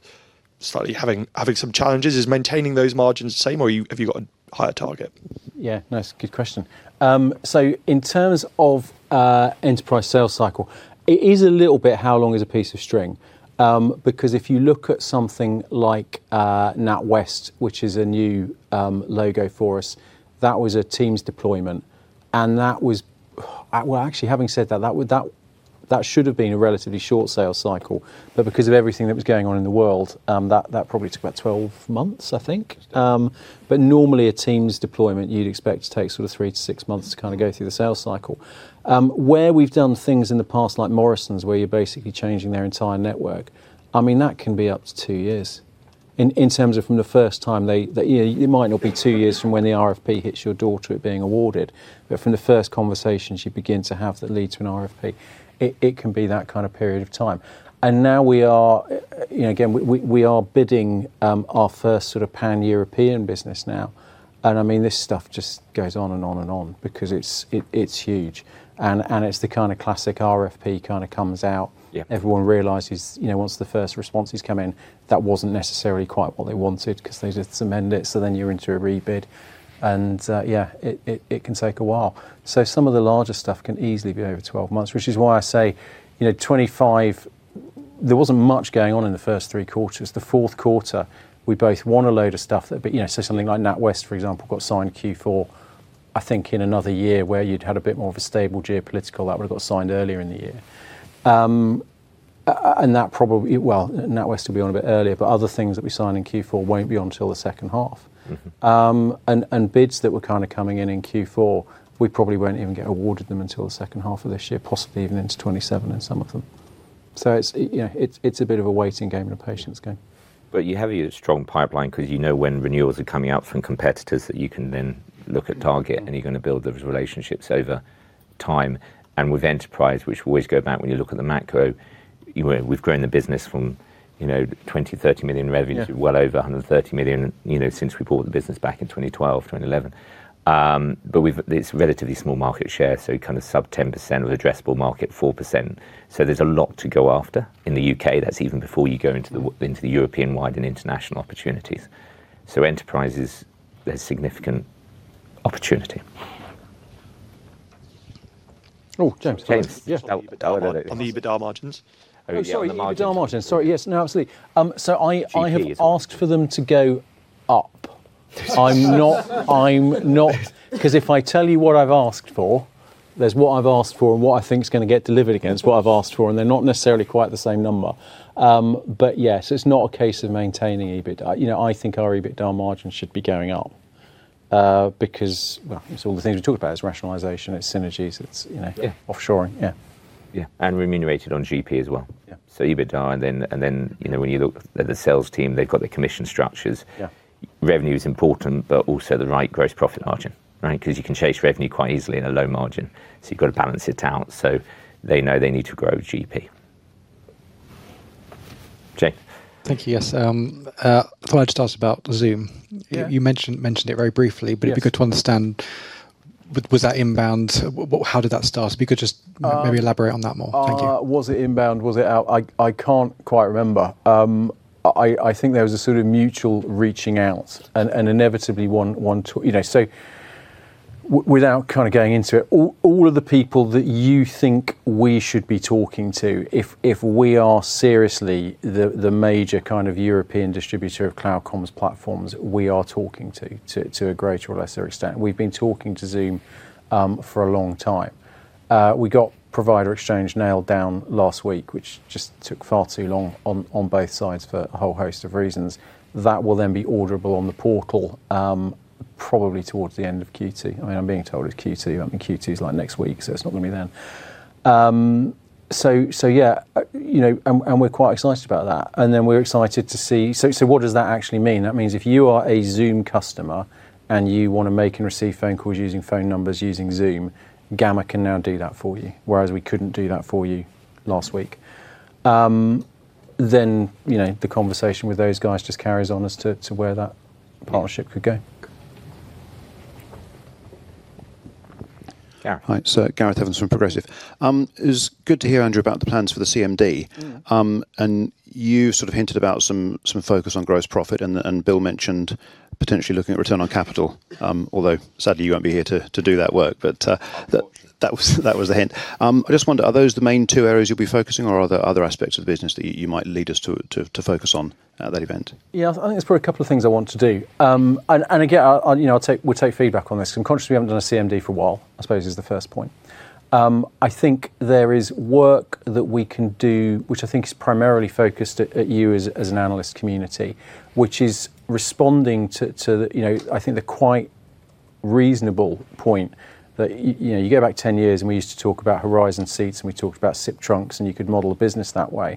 slightly having some challenges? Is maintaining those margins the same, or have you got a higher target? Yeah. No, it's a good question. In terms of enterprise sales cycle, it is a little bit how long is a piece of string? Because if you look at something like NatWest, which is a new logo for us, that was a Teams deployment, and that was. Well, actually, having said that should have been a relatively short sales cycle, but because of everything that was going on in the world, that probably took about 12 months, I think. Normally a Teams deployment you'd expect to take sort of 3-6 months to kinda go through the sales cycle. Where we've done things in the past like Morrisons, where you're basically changing their entire network, I mean, that can be up to two years in terms of from the first time that you know, it might not be two years from when the RFP hits your door to it being awarded. But from the first conversations you begin to have that lead to an RFP, it can be that kind of period of time. Now we are, you know, again, we are bidding our first sort of Pan-European business now, and I mean, this stuff just goes on and on and on because it's huge. It's the kinda classic RFP kinda comes out. Yeah. Everyone realizes, you know, once the first responses come in, that wasn't necessarily quite what they wanted because they just amend it, so then you're into a rebid. Yeah, it can take a while. Some of the larger stuff can easily be over 12 months, which is why I say, you know, 2025. There wasn't much going on in the first three quarters. The fourth quarter we both won a load of stuff that, but, you know, something like NatWest, for example, got signed in Q4. I think in another year where you'd had a bit more of a stable geopolitical, that would've got signed earlier in the year. And that probably. Well, NatWest will be on a bit earlier, but other things that we sign in Q4 won't be on till the second half. Bids that were kinda coming in Q4, we probably won't even get awarded them until the second half of this year, possibly even into 2027 in some of them. You know, it's a bit of a waiting game and a patience game. You have a strong pipeline because you know when renewals are coming out from competitors that you can then look at target, and you're gonna build those relationships over time. With enterprise, which we always go back when you look at the macro, you know, we've grown the business from, you know, 20 million, 30 million revenue- Yeah To well over 130 million, you know, since we bought the business back in 2012, 2011. But it's relatively small market share, so you kind of sub-10% with addressable market 4%. There's a lot to go after. In the U.K., that's even before you go into the European-wide and international opportunities. Enterprises, there's significant opportunity. Oh, James. James. Yeah. On the EBITDA margins. Oh, sorry. On the margins. The EBITDA margins, sorry. Yes. No, absolutely. So I have asked for them to go up. I'm not 'cause if I tell you what I've asked for, there's what I've asked for and what I think is gonna get delivered against what I've asked for, and they're not necessarily quite the same number. But yes, it's not a case of maintaining EBITDA. You know, I think our EBITDA margin should be going up, because, well, it's all the things we talked about. It's rationalization, it's synergies, it's, you know. Yeah Offshoring. Yeah. Yeah. Remunerated on GP as well. Yeah. EBITDA and then, you know, when you look at the sales team, they've got their commission structures. Yeah. Revenue is important, but also the right gross profit margin, right? 'Cause you can chase revenue quite easily in a low margin. You've got to balance it out, so they know they need to grow GP. James. Thank you. Yes. I thought I'd just ask about Zoom. Yeah. You mentioned it very briefly. Yes It'd be good to understand was that inbound? How did that start? If you could just maybe elaborate on that more. Thank you. Was it inbound? Was it out? I can't quite remember. I think there was a sort of mutual reaching out. You know, without kinda going into it, all of the people that you think we should be talking to, if we are seriously the major kind of European distributor of cloud comms platforms, we are talking to a greater or lesser extent. We've been talking to Zoom for a long time. We got Provider Exchange nailed down last week, which just took far too long on both sides for a whole host of reasons. That will then be orderable on the portal probably towards the end of Q2. I mean, I'm being told it's Q2. I mean, Q2 is like next week, so it's not gonna be then. Yeah. You know, and we're quite excited about that. We're excited to see what that actually means. That means if you are a Zoom customer and you wanna make and receive phone calls using phone numbers using Zoom, Gamma can now do that for you, whereas we couldn't do that for you last week. You know, the conversation with those guys just carries on as to where that partnership could go. Gareth. Hi. Gareth Evans from Progressive. It's good to hear, Andrew, about the plans for the CMD. You sort of hinted about some focus on gross profit and Bill mentioned potentially looking at return on capital, although sadly you won't be here to do that work. That was the hint. I just wonder, are those the main two areas you'll be focusing, or are there other aspects of the business that you might lead us to focus on at that event? Yeah, I think there's probably a couple of things I want to do. And again, I'll, you know, we'll take feedback on this. Consciously, we haven't done a CMD for a while, I suppose, is the first point. I think there is work that we can do, which I think is primarily focused at you as an analyst community, which is responding to the, you know, I think the quite reasonable point that, you know, you go back 10 years and we used to talk about Horizon seats, and we talked about SIP trunks, and you could model a business that way.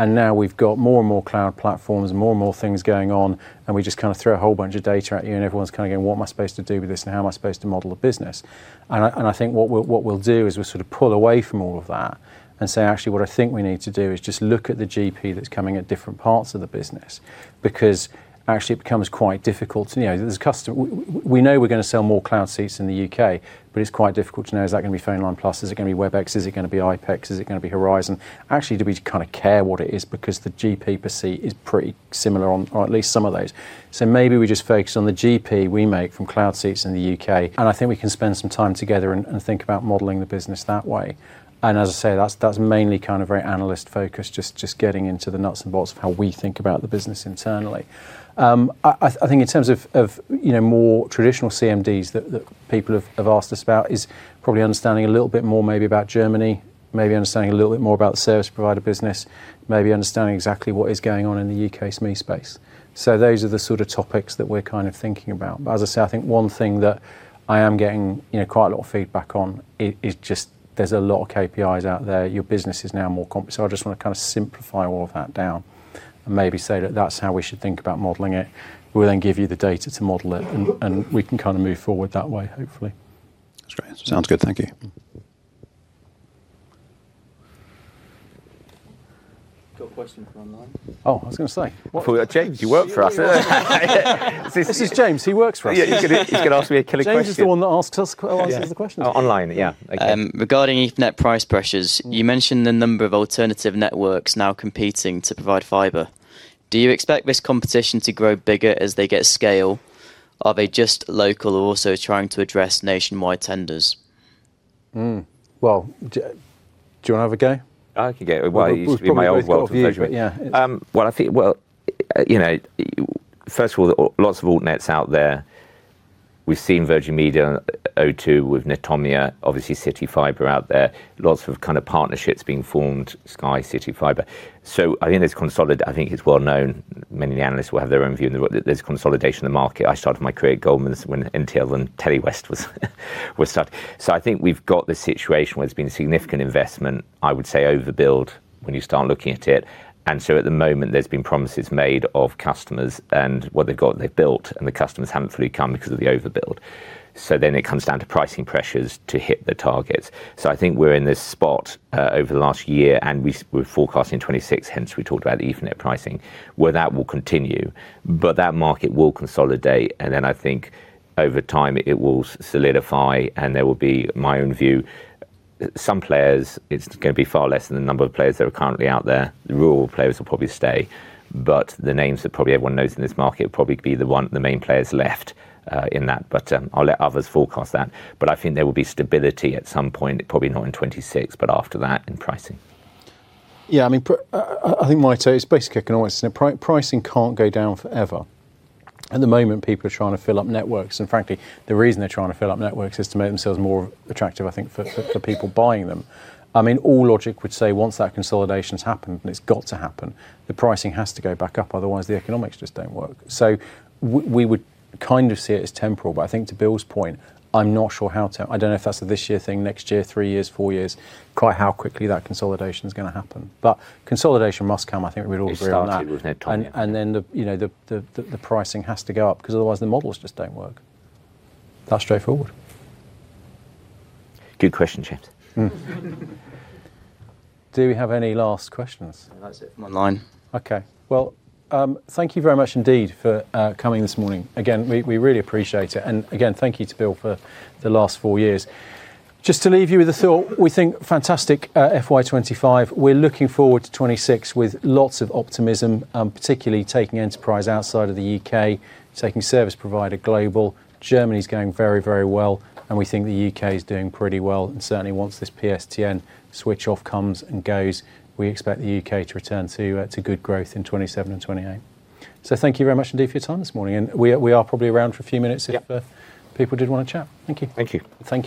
Now we've got more and more cloud platforms and more and more things going on, and we just kinda throw a whole bunch of data at you, and everyone's kinda going, "What am I supposed to do with this, and how am I supposed to model a business?" I think what we'll do is we'll sort of pull away from all of that and say, "Actually, what I think we need to do is just look at the GP that's coming at different parts of the business," because actually it becomes quite difficult. You know, we know we're gonna sell more cloud seats in the U.K., but it's quite difficult to know is that gonna be PhoneLine+? Is it gonna be Webex? Is it gonna be RingCentral? Is it gonna be Horizon? Actually, do we kinda care what it is? Because the GP per seat is pretty similar on or at least some of those. Maybe we just focus on the GP we make from cloud seats in the UK, and I think we can spend some time together and think about modeling the business that way. As I say, that's mainly kind of very analyst-focused, just getting into the nuts and bolts of how we think about the business internally. I think in terms of, you know, more traditional CMDs that people have asked us about is probably understanding a little bit more maybe about Germany, maybe understanding a little bit more about the service provider business, maybe understanding exactly what is going on in the U.K. SME space. Those are the sort of topics that we're kind of thinking about. As I say, I think one thing that I am getting, you know, quite a lot of feedback on is just there's a lot of KPIs out there. Your business is now more. So I just wanna kinda simplify all of that down and maybe say that that's how we should think about modeling it. We'll then give you the data to model it, and we can kinda move forward that way, hopefully. That's great. Sounds good. Thank you. A question from online. Oh, I was gonna say. Well, James, you work for us. This is James. He works for us. Yeah. He's gonna ask me a killing question. James is the one that asks us who asks the questions. Online, yeah. Regarding Ethernet price pressures, you mentioned the number of alternative networks now competing to provide fiber. Do you expect this competition to grow bigger as they get scale? Are they just local or also trying to address nationwide tenders? Well, do you wanna have a go? I can have a go. It was probably always going to be you, yeah. Well, I think, well, you know, first of all, lots of alt-nets out there. We've seen Virgin Media O2 with Netomnia, obviously CityFibre out there, lots of kind of partnerships being formed, Sky, CityFibre. I think it's consolidated. I think it's well known, many of the analysts will have their own view, there's consolidation in the market. I started my career at Goldman Sachs's when NTL and Telewest was stuck. I think we've got this situation where there's been significant investment, I would say overbuild, when you start looking at it, and so at the moment there's been promises made of customers and what they've got and they've built, and the customers haven't fully come because of the overbuild. It comes down to pricing pressures to hit the targets. I think we're in this spot over the last year, and we're forecasting 2026, hence we talked about the Ethernet pricing, where that will continue. That market will consolidate and then I think over time it will solidify, and there will be, my own view, some players, it's gonna be far less than the number of players that are currently out there. The rural players will probably stay, but the names that probably everyone knows in this market will probably be the one, the main players left, in that. I'll let others forecast that. I think there will be stability at some point, probably not in 2026, but after that in pricing. Yeah, I mean, I think my take is basically economics. You know, pricing can't go down forever. At the moment, people are trying to fill up networks, and frankly, the reason they're trying to fill up networks is to make themselves more attractive, I think, for people buying them. I mean, all logic would say once that consolidation's happened, and it's got to happen, the pricing has to go back up, otherwise the economics just don't work. We would kind of see it as temporal, but I think to Bill's point, I'm not sure how to. I don't know if that's a this year thing, next year, three years, four years, quite how quickly that consolidation is gonna happen. Consolidation must come. I think we'd all agree on that. It started with Netomnia. You know, the pricing has to go up 'cause otherwise the models just don't work. That straightforward. Good question, James. Do we have any last questions? That's it from online. Okay. Well, thank you very much indeed for coming this morning. Again, we really appreciate it. Again, thank you to Bill for the last four years. Just to leave you with a thought, we think fantastic FY 2025. We're looking forward to 2026 with lots of optimism, particularly taking enterprise outside of the U.K., taking service provider global. Germany's going very, very well, and we think the U.K. is doing pretty well. Certainly once this PSTN switch off comes and goes, we expect the U.K. to return to good growth in 2027 and 2028. Thank you very much indeed for your time this morning. We are probably around for a few minutes. Yep If people did wanna chat. Thank you. Thank you.